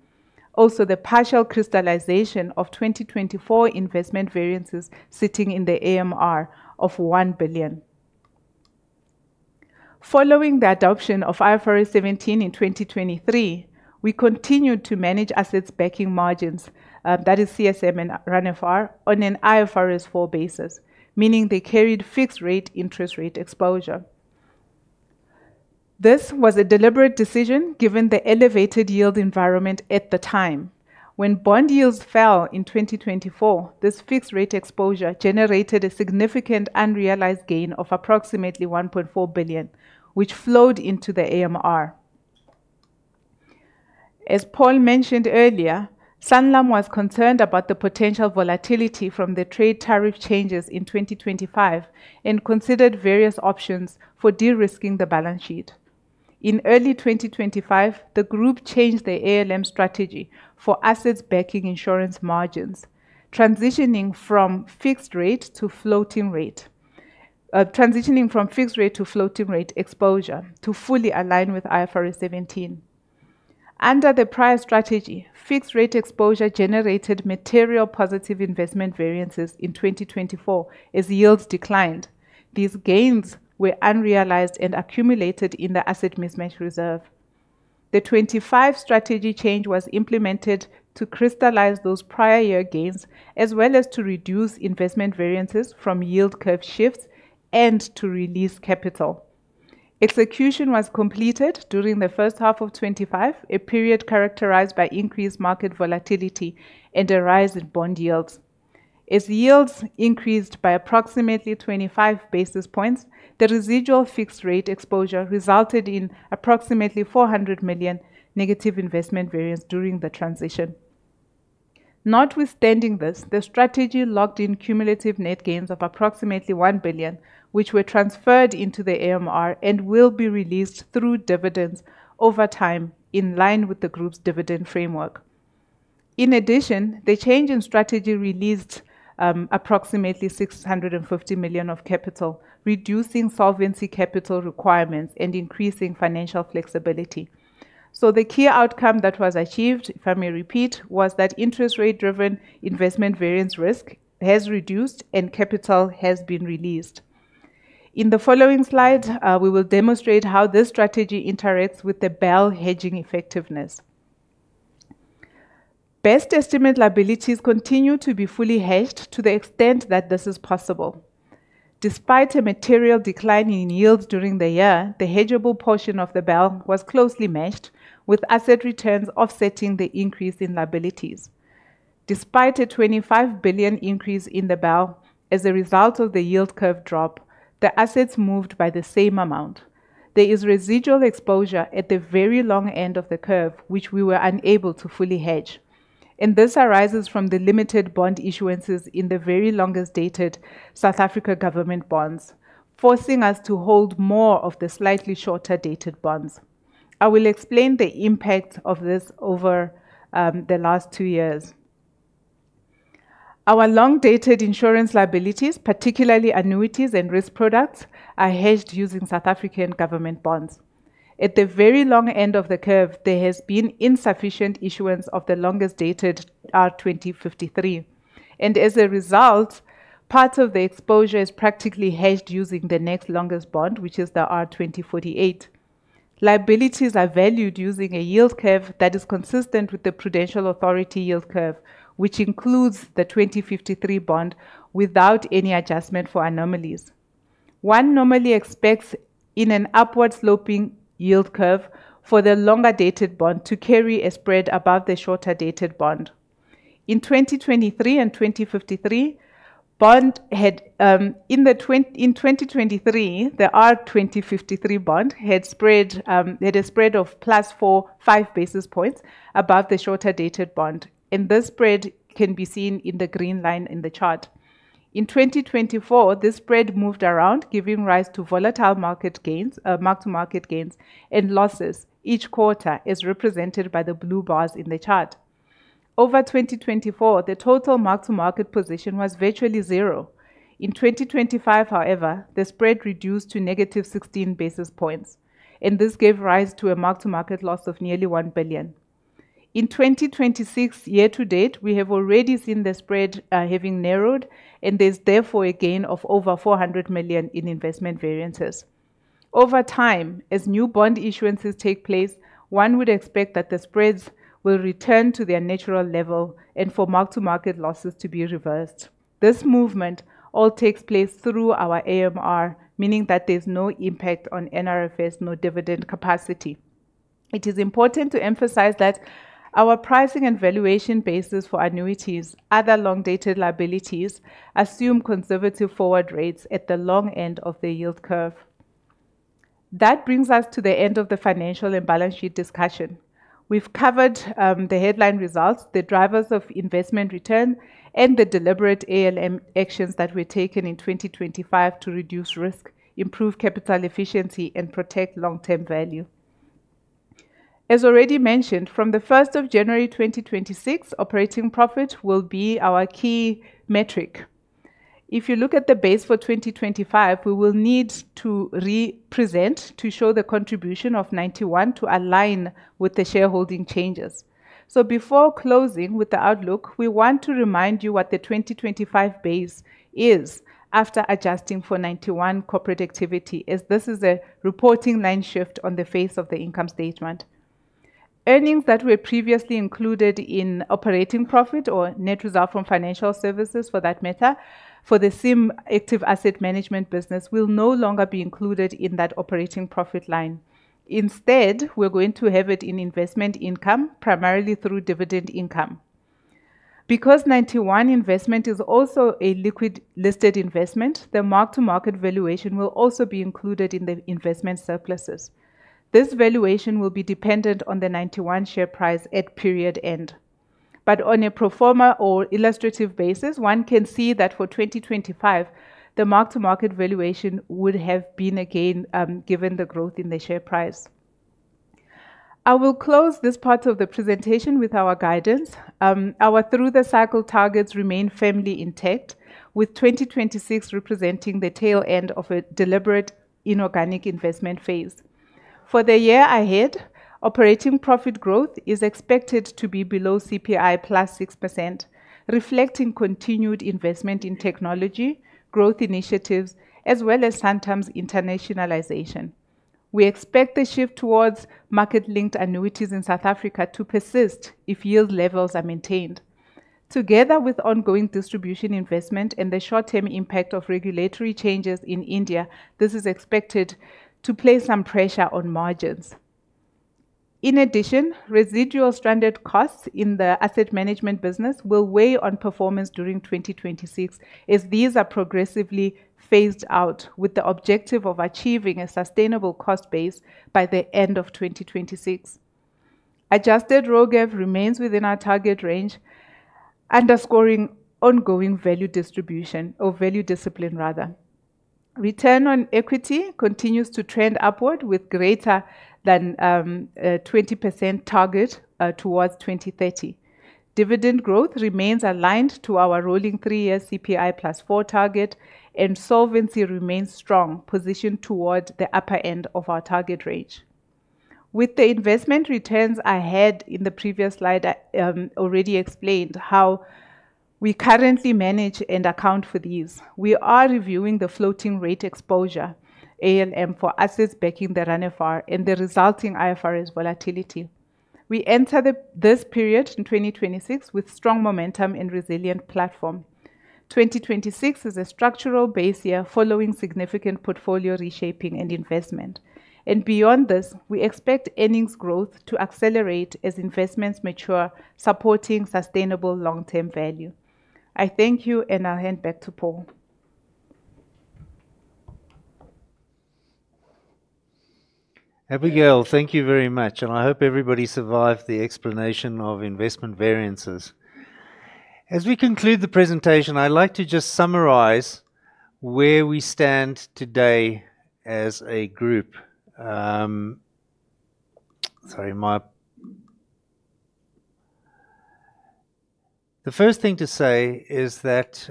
S3: Also, the partial crystallization of 2024 investment variances sitting in the AMR of 1 billion. Following the adoption of IFRS 17 in 2023, we continued to manage assets backing margins, that is CSM and RANFR, on an IFRS 4 basis, meaning they carried fixed rate interest rate exposure. This was a deliberate decision given the elevated yield environment at the time. When bond yields fell in 2024, this fixed rate exposure generated a significant unrealized gain of approximately 1.4 billion, which flowed into the AMR. As Paul mentioned earlier, Sanlam was concerned about the potential volatility from the trade tariff changes in 2025 and considered various options for de-risking the balance sheet. In early 2025, the group changed their ALM strategy for assets backing insurance margins, transitioning from fixed rate to floating rate exposure to fully align with IFRS 17. Under the prior strategy, fixed rate exposure generated material positive investment variances in 2024 as yields declined. These gains were unrealized and accumulated in the asset mismatch reserve. The 2025 strategy change was implemented to crystallize those prior year gains, as well as to reduce investment variances from yield curve shifts and to release capital. Execution was completed during the first half of 2025, a period characterized by increased market volatility and a rise in bond yields. As yields increased by approximately 25 basis points, the residual fixed rate exposure resulted in approximately 400 million negative investment variance during the transition. Notwithstanding this, the strategy logged in cumulative net gains of approximately 1 billion, which were transferred into the AMR and will be released through dividends over time, in line with the group's dividend framework. In addition, the change in strategy released approximately 650 million of capital, reducing solvency capital requirements and increasing financial flexibility. The key outcome that was achieved, if I may repeat, was that interest rate-driven investment variance risk has reduced and capital has been released. In the following slide, we will demonstrate how this strategy interacts with the BEL hedging effectiveness. Best estimate liabilities continue to be fully hedged to the extent that this is possible. Despite a material decline in yields during the year, the hedgeable portion of the BEL was closely matched with asset returns offsetting the increase in liabilities. Despite a 25 billion increase in the BEL as a result of the yield curve drop, the assets moved by the same amount. There is residual exposure at the very long end of the curve, which we were unable to fully hedge. This arises from the limited bond issuances in the very longest dated South African government bonds, forcing us to hold more of the slightly shorter dated bonds. I will explain the impact of this over the last two years. Our long-dated insurance liabilities, particularly annuities and risk products, are hedged using South African government bonds. At the very long end of the curve, there has been insufficient issuance of the longest dated R2053, and as a result, parts of the exposure is practically hedged using the next longest bond, which is the R2048. Liabilities are valued using a yield curve that is consistent with the Prudential Authority yield curve, which includes the 2053 bond without any adjustment for anomalies. One normally expects in an upward sloping yield curve for the longer-dated bond to carry a spread above the shorter-dated bond. In 2023, the R2053 bond had a spread of +45 basis points above the shorter-dated bond, and this spread can be seen in the green line in the chart. In 2024, this spread moved around, giving rise to volatile market gains, mark-to-market gains and losses each quarter is represented by the blue bars in the chart. Over 2024, the total mark-to-market position was virtually zero. In 2025, however, the spread reduced to -16 basis points, and this gave rise to a mark-to-market loss of nearly 1 billion. In 2026 year-to-date, we have already seen the spread having narrowed, and there's therefore a gain of over 400 million in investment variances. Over time, as new bond issuances take place, one would expect that the spreads will return to their natural level and for mark-to-market losses to be reversed. This movement all takes place through our AMR, meaning that there's no impact on NRFFS nor dividend capacity. It is important to emphasize that our pricing and valuation basis for annuities, other long-dated liabilities assume conservative forward rates at the long end of the yield curve. That brings us to the end of the financial and balance sheet discussion. We've covered the headline results, the drivers of investment return, and the deliberate ALM actions that were taken in 2025 to reduce risk, improve capital efficiency, and protect long-term value. As already mentioned, from January 2026, operating profit will be our key metric. If you look at the base for 2025, we will need to re-present to show the contribution of Ninety One to align with the shareholding changes. Before closing with the outlook, we want to remind you what the 2025 base is after adjusting for Ninety One corporate activity, as this is a reporting line shift on the face of the income statement. Earnings that were previously included in operating profit or net result from financial services for that matter, for the SIM active asset management business will no longer be included in that operating profit line. Instead, we're going to have it in investment income, primarily through dividend income. Because Ninety One investment is also a liquid listed investment, the mark-to-market valuation will also be included in the investment surpluses. This valuation will be dependent on the Ninety One share price at period end. On a pro forma or illustrative basis, one can see that for 2025 the mark-to-market valuation would have been again, given the growth in the share price. I will close this part of the presentation with our guidance. Our through-the-cycle targets remain firmly intact, with 2026 representing the tail end of a deliberate inorganic investment phase. For the year ahead, operating profit growth is expected to be below CPI +6%, reflecting continued investment in technology growth initiatives as well as Sanlam's internationalization. We expect the shift towards market-linked annuities in South Africa to persist if yield levels are maintained. Together with ongoing distribution investment and the short-term impact of regulatory changes in India, this is expected to place some pressure on margins. In addition, residual stranded costs in the asset management business will weigh on performance during 2026 as these are progressively phased out with the objective of achieving a sustainable cost base by the end of 2026. Adjusted RoGEV remains within our target range, underscoring ongoing value distribution or value discipline, rather. Return on equity continues to trend upward with greater than 20% target towards 2030. Dividend growth remains aligned to our rolling three-year CPI +4 target, and solvency remains strong, positioned towards the upper end of our target range. With the investment returns I had in the previous slide, I already explained how we currently manage and account for these. We are reviewing the floating rate exposure, ALM for assets backing the RANFR and the resulting IFRS volatility. We enter this period in 2026 with strong momentum and resilient platform. 2026 is a structural base year following significant portfolio reshaping and investment. Beyond this, we expect earnings growth to accelerate as investments mature, supporting sustainable long-term value. I thank you and I'll hand back to Paul.
S2: Abigail, thank you very much, and I hope everybody survived the explanation of investment variances. As we conclude the presentation, I'd like to just summarize where we stand today as a group. The first thing to say is that,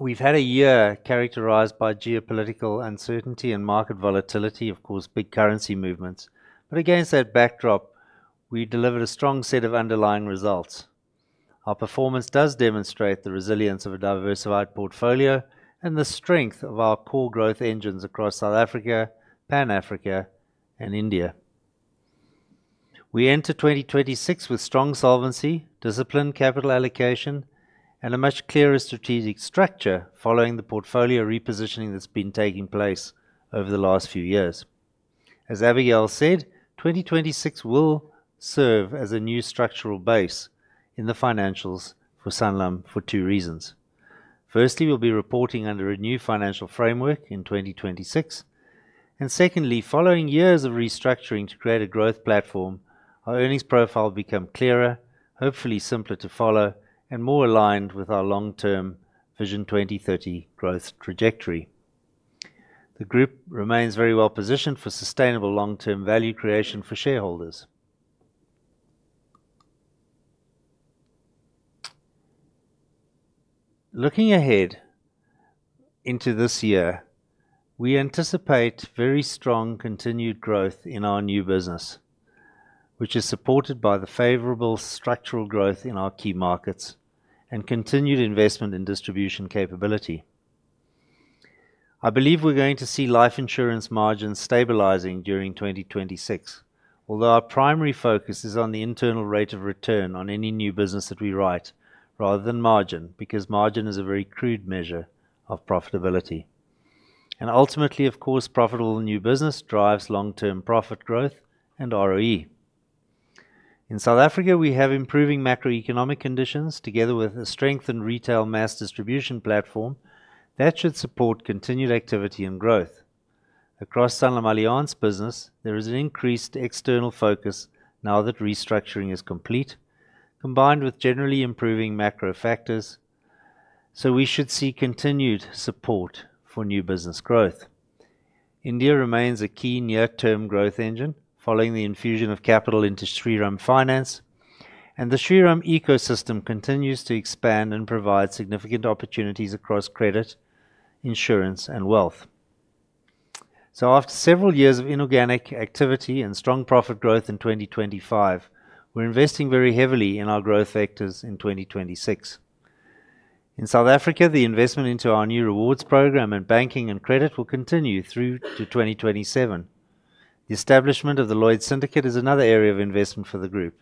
S2: we've had a year characterized by geopolitical uncertainty and market volatility, of course, big currency movements. Against that backdrop, we delivered a strong set of underlying results. Our performance does demonstrate the resilience of a diversified portfolio and the strength of our core growth engines across South Africa, Pan Africa and India. We enter 2026 with strong solvency, disciplined capital allocation, and a much clearer strategic structure following the portfolio repositioning that's been taking place over the last few years. As Abigail said, 2026 will serve as a new structural base in the financials for Sanlam for two reasons. Firstly, we'll be reporting under a new financial framework in 2026, and secondly, following years of restructuring to create a growth platform, our earnings profile become clearer, hopefully simpler to follow, and more aligned with our long-term Vision 2030 growth trajectory. The group remains very well positioned for sustainable long-term value creation for shareholders. Looking ahead into this year, we anticipate very strong continued growth in our new business, which is supported by the favorable structural growth in our key markets and continued investment in distribution capability. I believe we're going to see life insurance margins stabilizing during 2026. Although our primary focus is on the internal rate of return on any new business that we write rather than margin, because margin is a very crude measure of profitability. Ultimately, of course, profitable new business drives long-term profit growth and ROE. In South Africa, we have improving macroeconomic conditions together with a strengthened retail mass distribution platform that should support continued activity and growth. Across SanlamAllianz business, there is an increased external focus now that restructuring is complete, combined with generally improving macro factors, so we should see continued support for new business growth. India remains a key near term growth engine following the infusion of capital into Shriram Finance, and the Shriram ecosystem continues to expand and provide significant opportunities across credit, insurance and wealth. After several years of inorganic activity and strong profit growth in 2025, we're investing very heavily in our growth factors in 2026. In South Africa, the investment into our new rewards program and banking and credit will continue through to 2027. The establishment of the Lloyd's Syndicate is another area of investment for the group.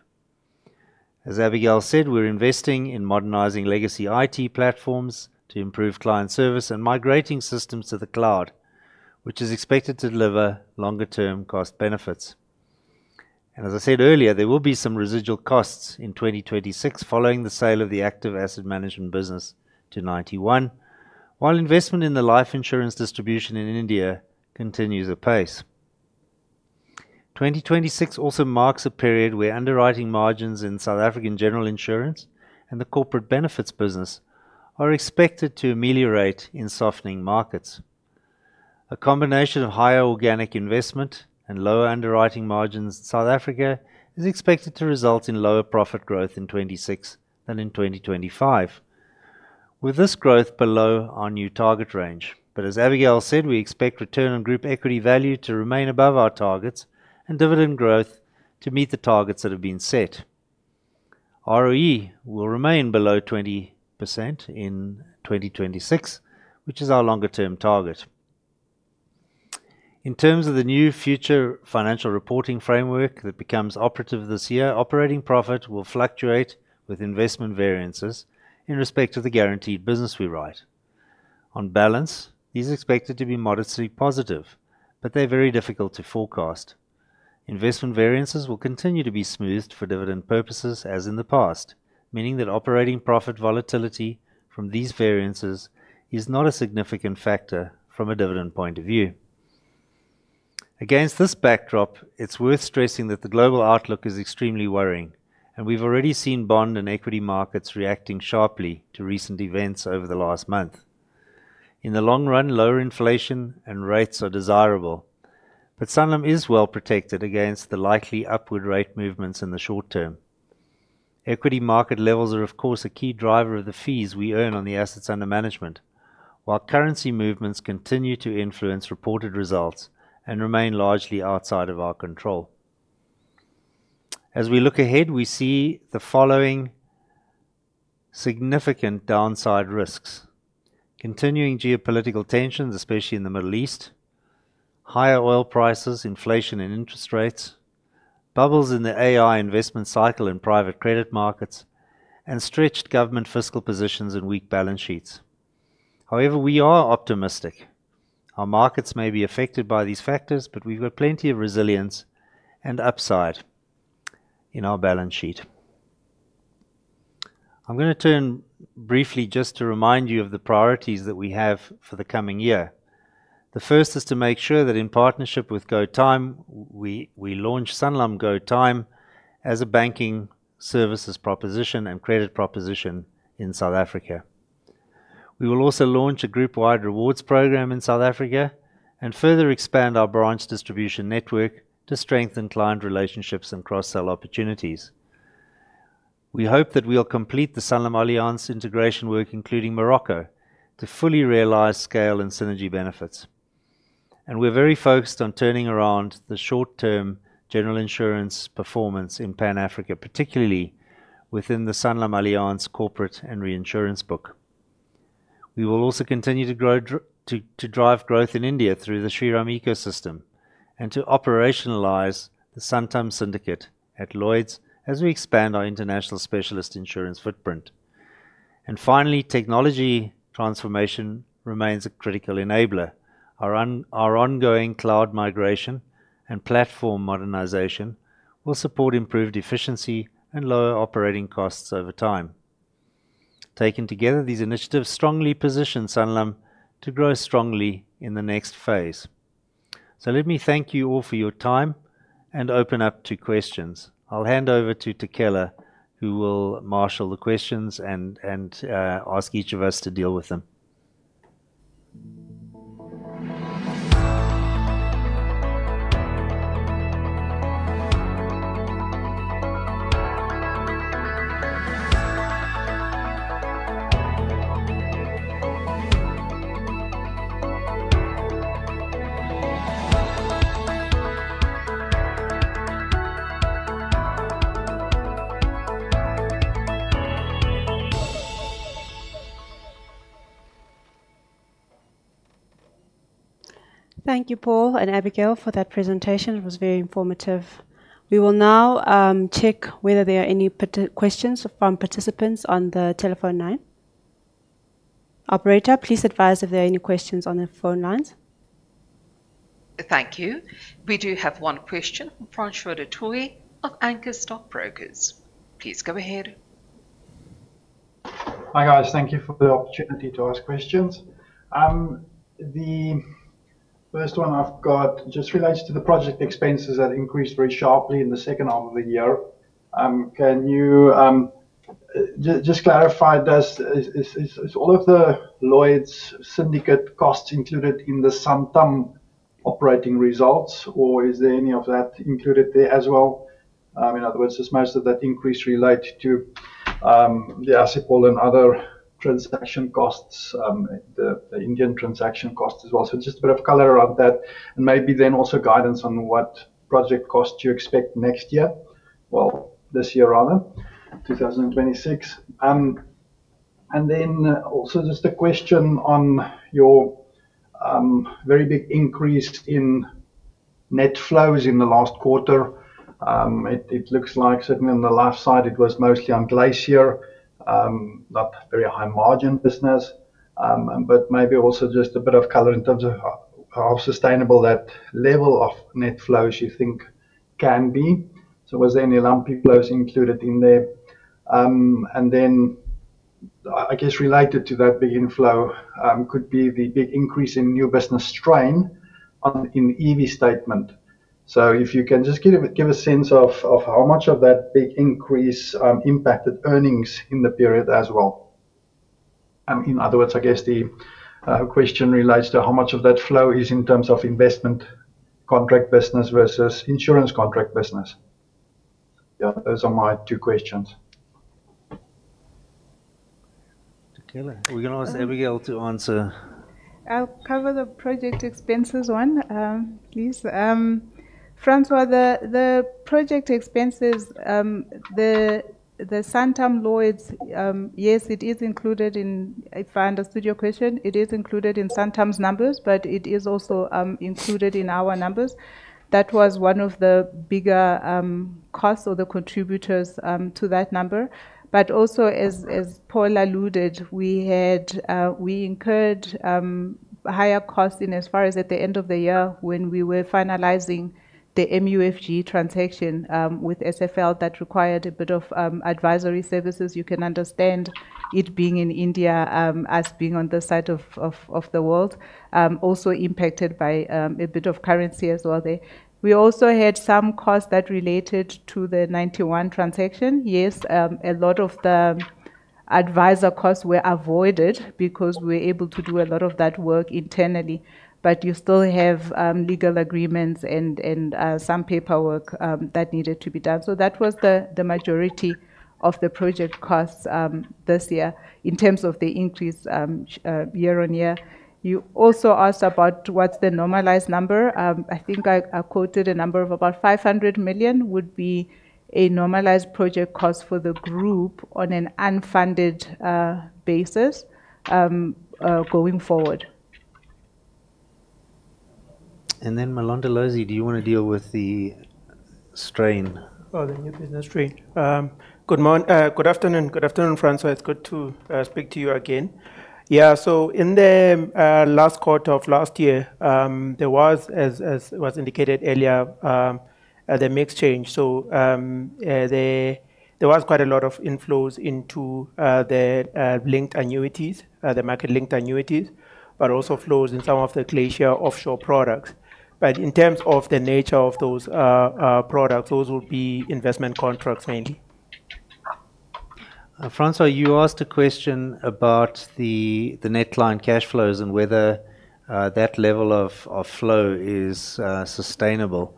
S2: As Abigail said, we're investing in modernizing legacy IT platforms to improve client service and migrating systems to the cloud, which is expected to deliver longer term cost benefits. As I said earlier, there will be some residual costs in 2026 following the sale of the active asset management business to Ninety One. While investment in the life insurance distribution in India continues apace. 2026 also marks a period where underwriting margins in South African general insurance and the corporate benefits business are expected to ameliorate in softening markets. A combination of higher organic investment and lower underwriting margins in South Africa is expected to result in lower profit growth in 2026 than in 2025, with this growth below our new target range. As Abigail said, we expect return on group equity value to remain above our targets and dividend growth to meet the targets that have been set. ROE will remain below 20% in 2026, which is our longer-term target. In terms of the new future financial reporting framework that becomes operative this year, operating profit will fluctuate with investment variances in respect of the guaranteed business we write. On balance, these are expected to be modestly positive, but they're very difficult to forecast. Investment variances will continue to be smoothed for dividend purposes as in the past, meaning that operating profit volatility from these variances is not a significant factor from a dividend point of view. Against this backdrop, it's worth stressing that the global outlook is extremely worrying, and we've already seen bond and equity markets reacting sharply to recent events over the last month. In the long run, lower inflation and rates are desirable, but Sanlam is well protected against the likely upward rate movements in the short term. Equity market levels are, of course, a key driver of the fees we earn on the assets under management. While currency movements continue to influence reported results and remain largely outside of our control. As we look ahead, we see the following significant downside risks. Continuing geopolitical tensions, especially in the Middle East, higher oil prices, inflation and interest rates, bubbles in the AI investment cycle and private credit markets, and stretched government fiscal positions and weak balance sheets. However, we are optimistic. Our markets may be affected by these factors, but we've got plenty of resilience and upside in our balance sheet. I'm gonna turn briefly just to remind you of the priorities that we have for the coming year. The first is to make sure that in partnership with GoTyme, we launch Sanlam GoTyme as a banking services proposition and credit proposition in South Africa. We will also launch a group-wide rewards program in South Africa and further expand our branch distribution network to strengthen client relationships and cross-sell opportunities. We hope that we'll complete the SanlamAllianz integration work, including Morocco, to fully realize scale and synergy benefits. We're very focused on turning around the short term general insurance performance in Pan Africa, particularly within the SanlamAllianz corporate and reinsurance book. We will also continue to drive growth in India through the Shriram ecosystem and to operationalize the Santam syndicate at Lloyd's as we expand our international specialist insurance footprint. Finally, technology transformation remains a critical enabler. Our ongoing cloud migration and platform modernization will support improved efficiency and lower operating costs over time. Taken together, these initiatives strongly position Sanlam to grow strongly in the next phase. Let me thank you all for your time and open up to questions. I'll hand over to Tokelo, who will marshal the questions and ask each of us to deal with them.
S1: Thank you, Paul and Abigail, for that presentation. It was very informative. We will now check whether there are any questions from participants on the telephone line. Operator, please advise if there are any questions on the phone lines.
S4: Thank you. We do have one question from Francois du Toit of Anchor Stockbrokers. Please go ahead.
S5: Hi, guys. Thank you for the opportunity to ask questions. The first one I've got just relates to the project expenses that increased very sharply in the second half of the year. Can you just clarify, is all of the Lloyd's Syndicate costs included in the Santam operating results, or is there any of that included there as well? In other words, does most of that increase relate to the asset pool and other transaction costs, the Indian transaction cost as well? Just a bit of color around that and maybe guidance on what project costs you expect next year. Well, this year rather, 2026. Just a question on your very big increase in net flows in the last quarter. It looks like certainly on the life side, it was mostly on Glacier, not very high margin business. But maybe also just a bit of color in terms of how sustainable that level of net flows you think can be. Was there any lumpy flows included in there? I guess related to that big inflow, could be the big increase in new business strain in EV statement. If you can just give a sense of how much of that big increase impacted earnings in the period as well. In other words, I guess the question relates to how much of that flow is in terms of investment contract business versus insurance contract business. Yeah, those are my two questions.
S2: Okay. We're gonna ask Abigail to answer.
S3: I'll cover the project expenses one, please. Francois, the project expenses, the Santam Lloyd's, yes, it is included in. If I understood your question, it is included in Santam's numbers, but it is also included in our numbers. That was one of the bigger costs or the contributors to that number. But also as Paul alluded, we incurred higher costs in as far as at the end of the year when we were finalizing the MUFG transaction with SFL that required a bit of advisory services. You can understand it being in India, as being on the side of the world, also impacted by a bit of currency as well there. We also had some costs that related to the Ninety One transaction. Yes, a lot of the advisor costs were avoided because we're able to do a lot of that work internally. You still have legal agreements and some paperwork that needed to be done. That was the majority of the project costs this year in terms of the increase year-over-year. You also asked about what's the normalized number. I think I quoted a number of about 500 million would be a normalized project cost for the group on an unfunded basis going forward.
S2: Mlondolozi, do you wanna deal with the strain?
S6: Oh, the new business strain. Good afternoon. Good afternoon, Francois. It's good to speak to you again. Yeah. In the last quarter of last year, there was, as was indicated earlier, the mix change. There was quite a lot of inflows into the linked annuities, the market-linked annuities, but also flows in some of the Glacier offshore products. But in terms of the nature of those products, those will be investment contracts mainly.
S2: Francois, you asked a question about the net line cash flows and whether that level of flow is sustainable.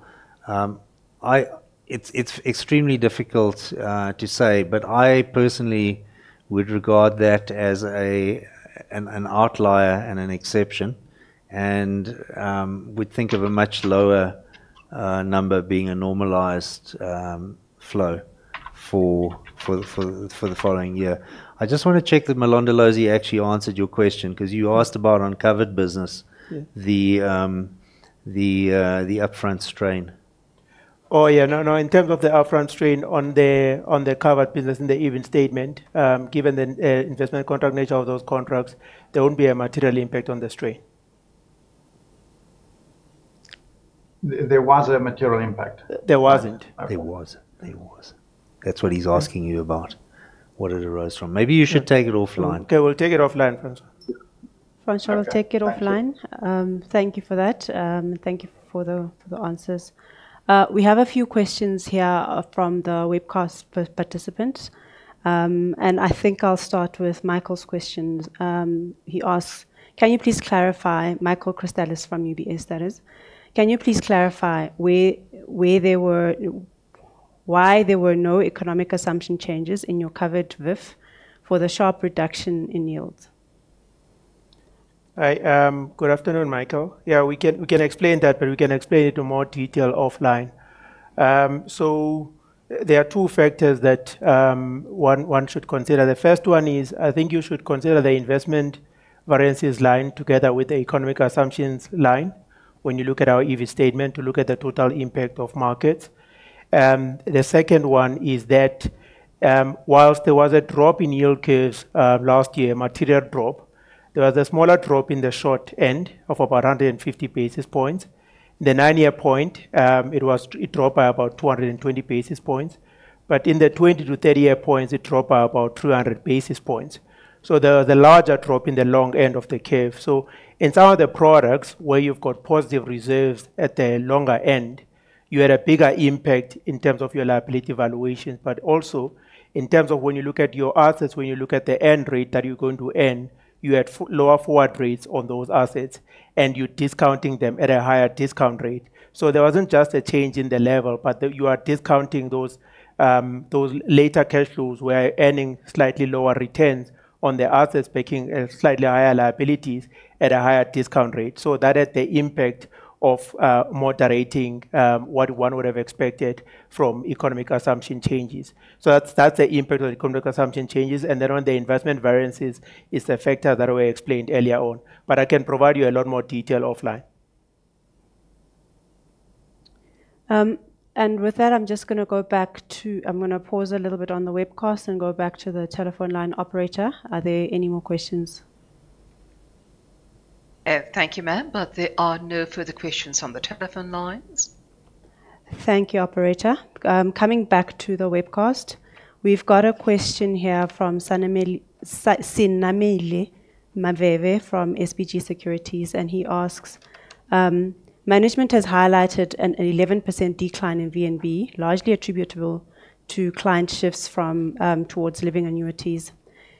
S2: It's extremely difficult to say, but I personally would regard that as an outlier and an exception and would think of a much lower number being a normalized flow for the following year. I just wanna check that Mlondolozi actually answered your question, 'cause you asked about uncovered business.
S6: Yeah.
S2: The upfront strain.
S6: Oh, yeah. No, no. In terms of the upfront strain on the covered business in the EV statement, given the investment contract nature of those contracts, there won't be a material impact on the strain.
S5: There was a material impact.
S6: There wasn't.
S2: There was. That's what he's asking you about. What it arose from. Maybe you should take it offline.
S6: Okay. We'll take it offline, Francois.
S3: Francois, we'll take it offline.
S5: Thank you.
S1: Thank you for that. Thank you for the answers. We have a few questions here from the webcast participant. I think I'll start with Michael's questions. He asks: "Can you please clarify..." Michael Christelis from UBS, that is. "Can you please clarify why there were no economic assumption changes in your covered VIF for the sharp reduction in yields?
S6: Good afternoon, Michael. Yeah, we can explain that, but we can explain it in more detail offline. There are two factors that one should consider. The first one is, I think you should consider the investment variances line together with the economic assumptions line when you look at our EV statement to look at the total impact of markets. The second one is that, while there was a drop in yield curves last year, material drop, there was a smaller drop in the short end of about 150 basis points. The nine-year point, it dropped by about 220 basis points. In the 20- to 30-year points, it dropped by about 200 basis points. There was a larger drop in the long end of the curve. In some of the products where you've got positive reserves at the longer end, you had a bigger impact in terms of your liability valuations. Also in terms of when you look at your assets, when you look at the end rate that you're going to earn, you had lower forward rates on those assets, and you're discounting them at a higher discount rate. There wasn't just a change in the level, but you are discounting those later cash flows where earning slightly lower returns on the assets, making slightly higher liabilities at a higher discount rate. That had the impact of moderating what one would have expected from economic assumption changes. That's the impact of the economic assumption changes. Then on the investment variances is the factor that I explained earlier on. I can provide you a lot more detail offline.
S1: With that, I'm gonna pause a little bit on the webcast and go back to the telephone line operator. Are there any more questions?
S4: Thank you, ma'am. There are no further questions on the telephone lines.
S1: Thank you, operator. Coming back to the webcast. We've got a question here from Senamile Maveve from SBG Securities, and he asks, "Management has highlighted an 11% decline in VNB, largely attributable to client shifts from towards living annuities.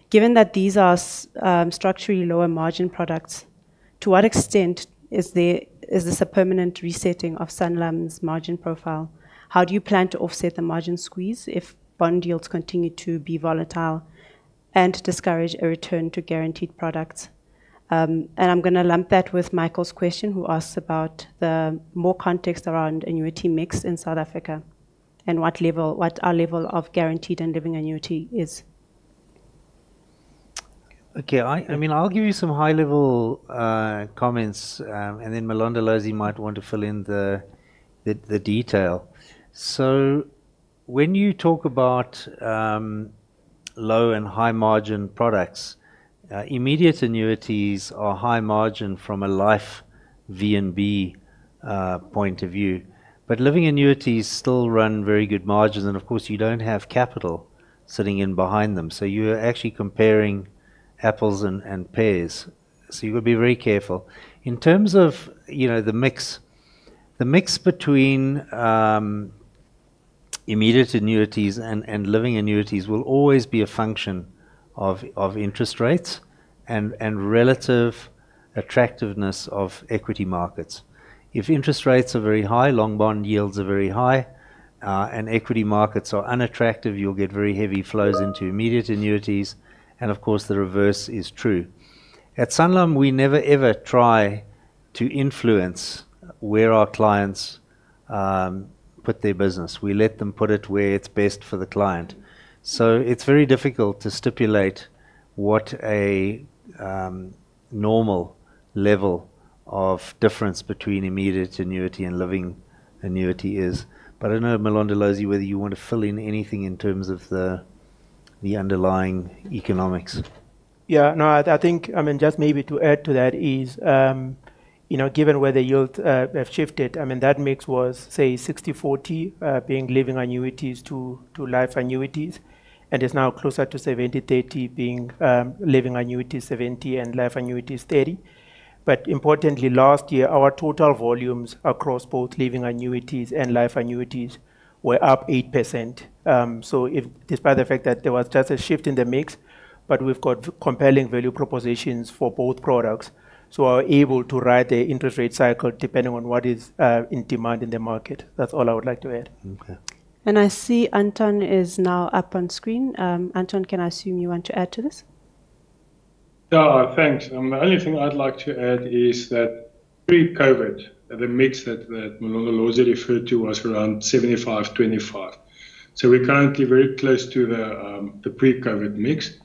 S1: Given that these are structurally lower margin products, to what extent is this a permanent resetting of Sanlam's margin profile? How do you plan to offset the margin squeeze if bond yields continue to be volatile and discourage a return to guaranteed products?" I'm gonna lump that with Michael's question, who asks about more context around annuity mix in South Africa and what our level of guaranteed and living annuity is.
S2: Okay. I mean, I'll give you some high level comments, and then Mlondolozi might want to fill in the detail. When you talk about low and high margin products, immediate annuities are high margin from a life VNB point of view. Living annuities still run very good margins, and of course, you don't have capital sitting in behind them. You're actually comparing apples and pears. You gotta be very careful. In terms of, you know, the mix. The mix between immediate annuities and living annuities will always be a function of interest rates and relative attractiveness of equity markets. If interest rates are very high, long bond yields are very high, and equity markets are unattractive, you'll get very heavy flows into immediate annuities, and of course, the reverse is true. At Sanlam, we never ever try to influence where our clients put their business. We let them put it where it's best for the client. It's very difficult to stipulate what a normal level of difference between immediate annuity and living annuity is. I don't know, Mlondolozi, whether you want to fill in anything in terms of the underlying economics.
S6: Yeah. No, I think, I mean, just maybe to add to that is, you know, given where the yields have shifted, I mean, that mix was, say, 60/40, being living annuities to life annuities, and is now closer to 70/30 being living annuities 70 and life annuities 30. Importantly, last year, our total volumes across both living annuities and life annuities were up 8%. Despite the fact that there was just a shift in the mix, we've got compelling value propositions for both products. We're able to ride the interest rate cycle depending on what is in demand in the market. That's all I would like to add.
S2: Okay.
S1: I see Anton is now up on screen. Anton, can I assume you want to add to this?
S7: Yeah. Thanks. The only thing I'd like to add is that pre-COVID, the mix that Mlondolozi referred to was around 75/25. We're currently very close to the pre-COVID mix.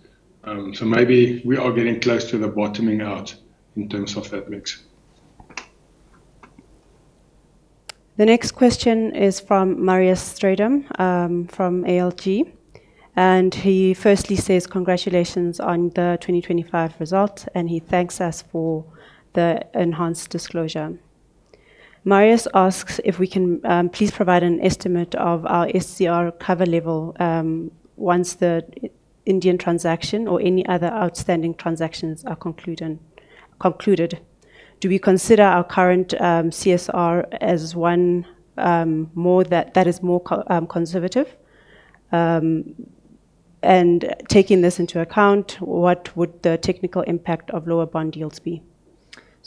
S7: Maybe we are getting close to the bottoming out in terms of that mix.
S1: The next question is from Marius Strydom from ALG. He firstly says, "Congratulations on the 2025 result," and he thanks us for the enhanced disclosure. Marius asks if we can please provide an estimate of our SCR cover level once the Indian transaction or any other outstanding transactions are concluded. Do we consider our current SCR as more conservative? Taking this into account, what would the technical impact of lower bond yields be?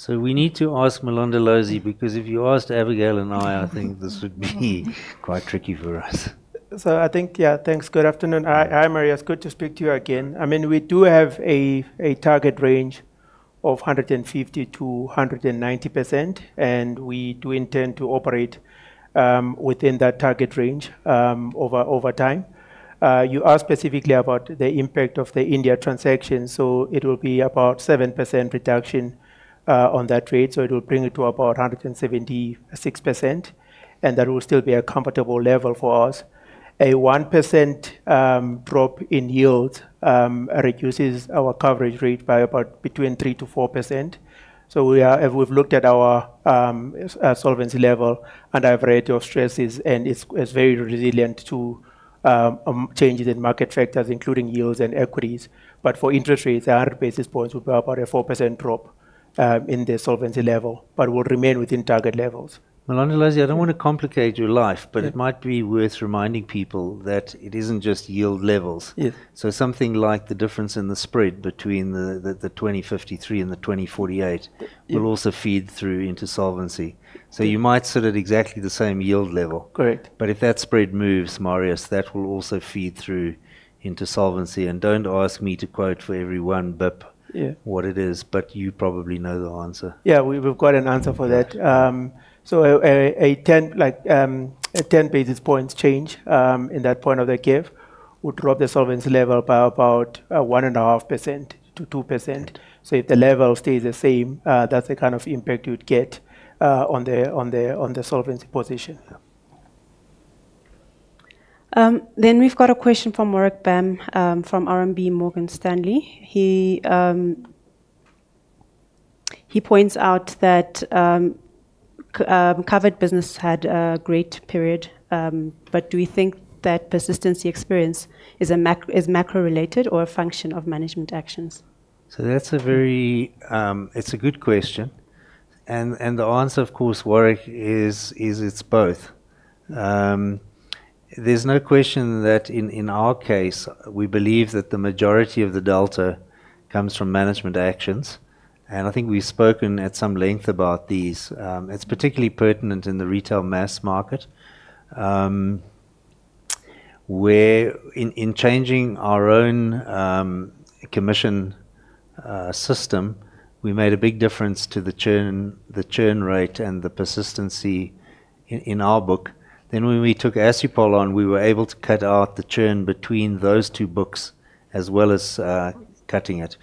S2: We need to ask Mlondolozi because if you asked Abigail and I think this would be quite tricky for us.
S6: I think, yeah. Thanks. Good afternoon. Hi, Marius. Good to speak to you again. I mean, we do have a target range of 150%-190%, and we do intend to operate within that target range over time. You asked specifically about the impact of the India transaction, it will be about 7% reduction on that rate. It will bring it to about 176%, and that will still be a comfortable level for us. A 1% drop in yield reduces our coverage rate by about between 3%-4%. We have looked at our solvency level and our range of stresses, and it's very resilient to changes in market factors, including yields and equities. For interest rates, 100 basis points would be about a 4% drop in the solvency level, but will remain within target levels.
S2: Mlondolozi, I don't wanna complicate your life.
S6: Yeah.
S2: It might be worth reminding people that it isn't just yield levels.
S6: Yes.
S2: Something like the difference in the spread between the 2053 and the 2048.
S6: Yeah.
S2: Will also feed through into solvency.
S6: Yeah.
S2: You might sit at exactly the same yield level.
S6: Correct.
S2: If that spread moves, Marius, that will also feed through into solvency. Don't ask me to quote for every one basis point.
S6: Yeah.
S2: What it is, but you probably know the answer.
S6: Yeah. We've got an answer for that.
S2: Right.
S6: A 10 basis points change in that point of the curve would drop the solvency level by about 1.5%-2%. If the level stays the same, that's the kind of impact you'd get on the solvency position.
S1: We've got a question from Warwick Bam from RMB Morgan Stanley. He points out that covered business had a great period, but do we think that persistency experience is macro-related or a function of management actions?
S2: That's a very good question. The answer, of course, Warwick, is it's both. There's no question that in our case, we believe that the majority of the delta comes from management actions. I think we've spoken at some length about these. It's particularly pertinent in the retail mass market, where in changing our own commission system, we made a big difference to the churn rate and the persistency in our book. When we took Assupol on, we were able to cut out the churn between those two books as well as cutting it.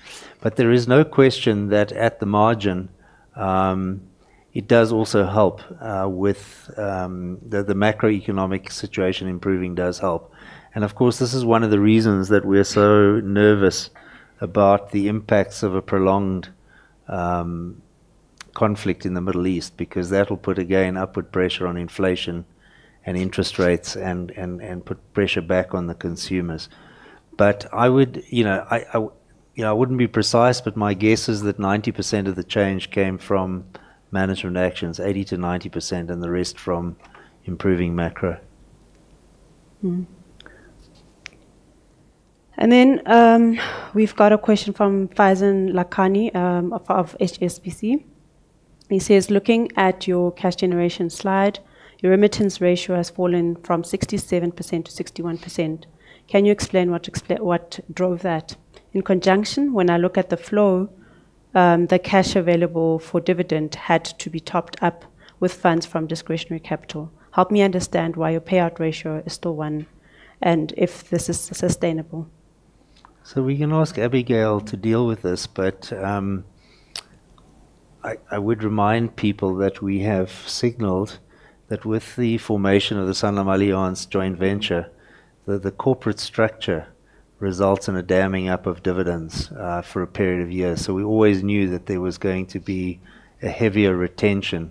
S2: There is no question that at the margin, it does also help with the macroeconomic situation improving does help. Of course, this is one of the reasons that we're so nervous about the impacts of a prolonged conflict in the Middle East, because that'll put, again, upward pressure on inflation and interest rates and put pressure back on the consumers. You know, I wouldn't be precise, but my guess is that 90% of the change came from management actions, 80%-90%, and the rest from improving macro.
S1: We've got a question from Faizan Lakhani of HSBC. He says, looking at your cash generation slide, your remittance ratio has fallen from 67% to 61%. Can you explain what drove that? In conjunction, when I look at the cash flow, the cash available for dividend had to be topped up with funds from discretionary capital. Help me understand why your payout ratio is still one, and if this is sustainable.
S2: We can ask Abigail to deal with this, but I would remind people that we have signaled that with the formation of the SanlamAllianz joint venture, that the corporate structure results in a damming up of dividends for a period of years. We always knew that there was going to be a heavier retention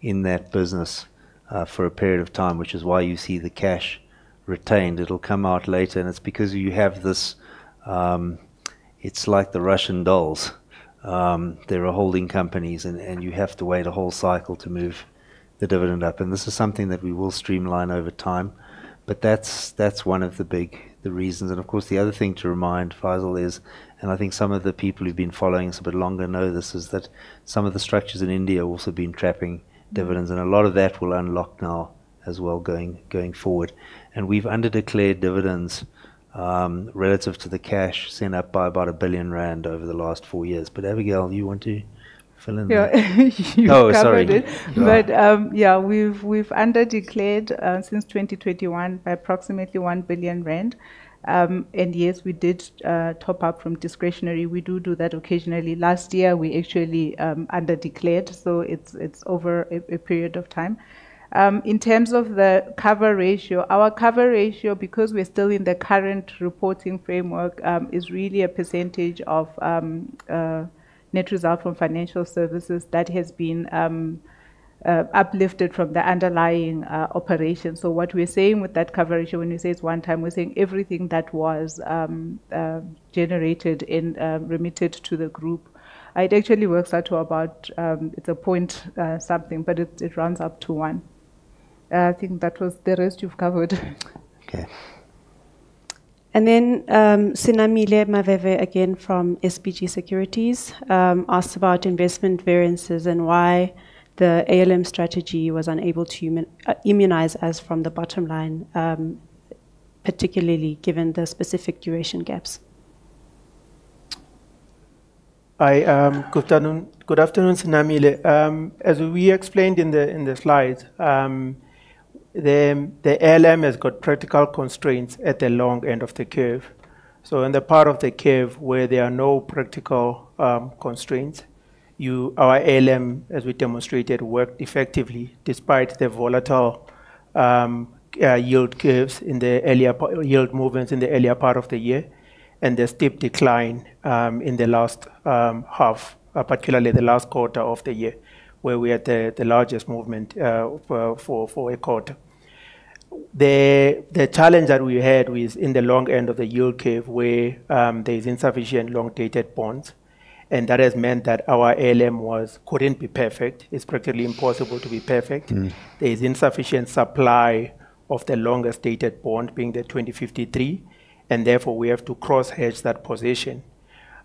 S2: in that business for a period of time, which is why you see the cash retained. It'll come out later, and it's because you have this. It's like the Russian dolls. There are holding companies and you have to wait a whole cycle to move the dividend up. This is something that we will streamline over time. That's one of the big reasons. Of course, the other thing to remind Faizan is, and I think some of the people who've been following us a bit longer know this, is that some of the structures in India have also been trapping dividends. A lot of that will unlock now as well going forward. We've underdeclared dividends, relative to the cash sent up by about 1 billion rand over the last four years. But Abigail, you want to fill in the-
S3: Yeah. You've covered it.
S2: Oh, sorry. Go on.
S3: Yeah. We've underdeclared since 2021 by approximately 1 billion rand. Yes, we did top up from discretionary. We do that occasionally. Last year, we actually underdeclared, so it's over a period of time. In terms of the cover ratio, our cover ratio, because we're still in the current reporting framework, is really a percentage of a net result from financial services that has been uplifted from the underlying operations. What we're saying with that cover ratio, when we say it's one time, we're saying everything that was generated and remitted to the group. It actually works out to about it's a point something, but it rounds up to one. I think that was. The rest you've covered.
S2: Okay.
S1: Senamile Maveve again from SBG Securities asked about investment variances and why the ALM strategy was unable to immunize us from the bottom line, particularly given the specific duration gaps.
S6: Hi. Good afternoon, Senamile. As we explained in the slides, the ALM has got practical constraints at the long end of the curve. In the part of the curve where there are no practical constraints, our ALM, as we demonstrated, worked effectively despite the volatile yield movements in the earlier part of the year, and the steep decline in the last half, particularly the last quarter of the year, where we had the largest movement for a quarter. The challenge that we had was in the long end of the yield curve, where there is insufficient long-dated bonds, and that has meant that our ALM was couldn't be perfect. It's practically impossible to be perfect.
S2: Mm-hmm.
S6: There is insufficient supply of the longest dated bond being the R2053, and therefore we have to cross-hedge that position.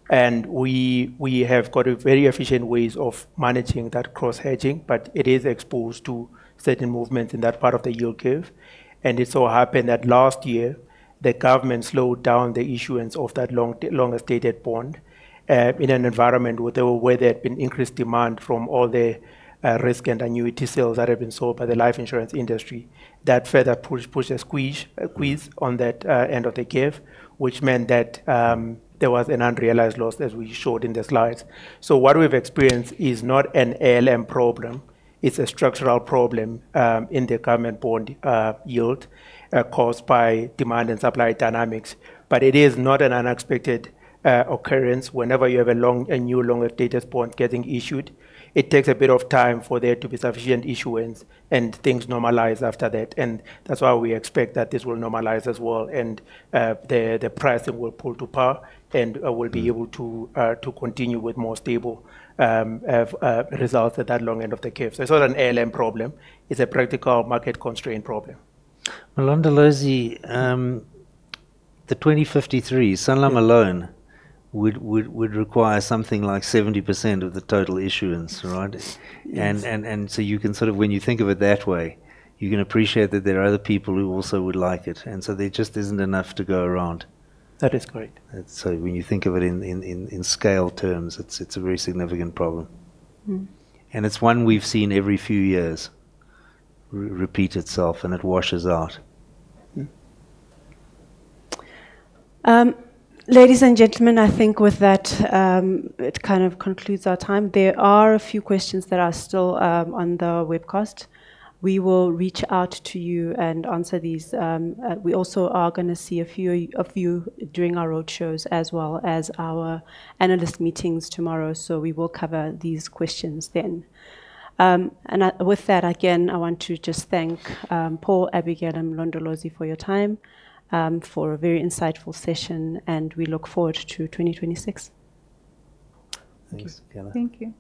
S6: We have got a very efficient ways of managing that cross-hedging, but it is exposed to certain movements in that part of the yield curve. It so happened that last year, the government slowed down the issuance of that longest dated bond, in an environment where there had been increased demand from all the risk and annuity sales that have been sold by the life insurance industry. That further push and squeeze on that end of the curve, which meant that there was an unrealized loss, as we showed in the slides. What we've experienced is not an ALM problem. It's a structural problem in the government bond yield caused by demand and supply dynamics. It is not an unexpected occurrence. Whenever you have a new longer dated bond getting issued, it takes a bit of time for there to be sufficient issuance and things normalize after that. That's why we expect that this will normalize as well and the price then will pull to par and we'll be able to to continue with more stable results at that long end of the curve. It's not an ALM problem. It's a practical market constraint problem.
S2: The R2053, Sanlam alone would require something like 70% of the total issuance, right?
S6: Yes.
S2: When you think of it that way, you can appreciate that there are other people who also would like it. There just isn't enough to go around.
S6: That is correct.
S2: When you think of it in scale terms, it's a very significant problem.
S1: Mm-hmm.
S2: It's one we've seen every few years repeat itself, and it washes out.
S1: Ladies and gentlemen, I think with that, it kind of concludes our time. There are a few questions that are still on the webcast. We will reach out to you and answer these. We also are gonna see a few of you during our roadshows as well as our analyst meetings tomorrow. We will cover these questions then. With that, again, I want to just thank Paul, Abigail, and Mlondolozi for your time, for a very insightful session, and we look forward to 2026.
S2: Thanks, Tokelo.
S3: Thank you.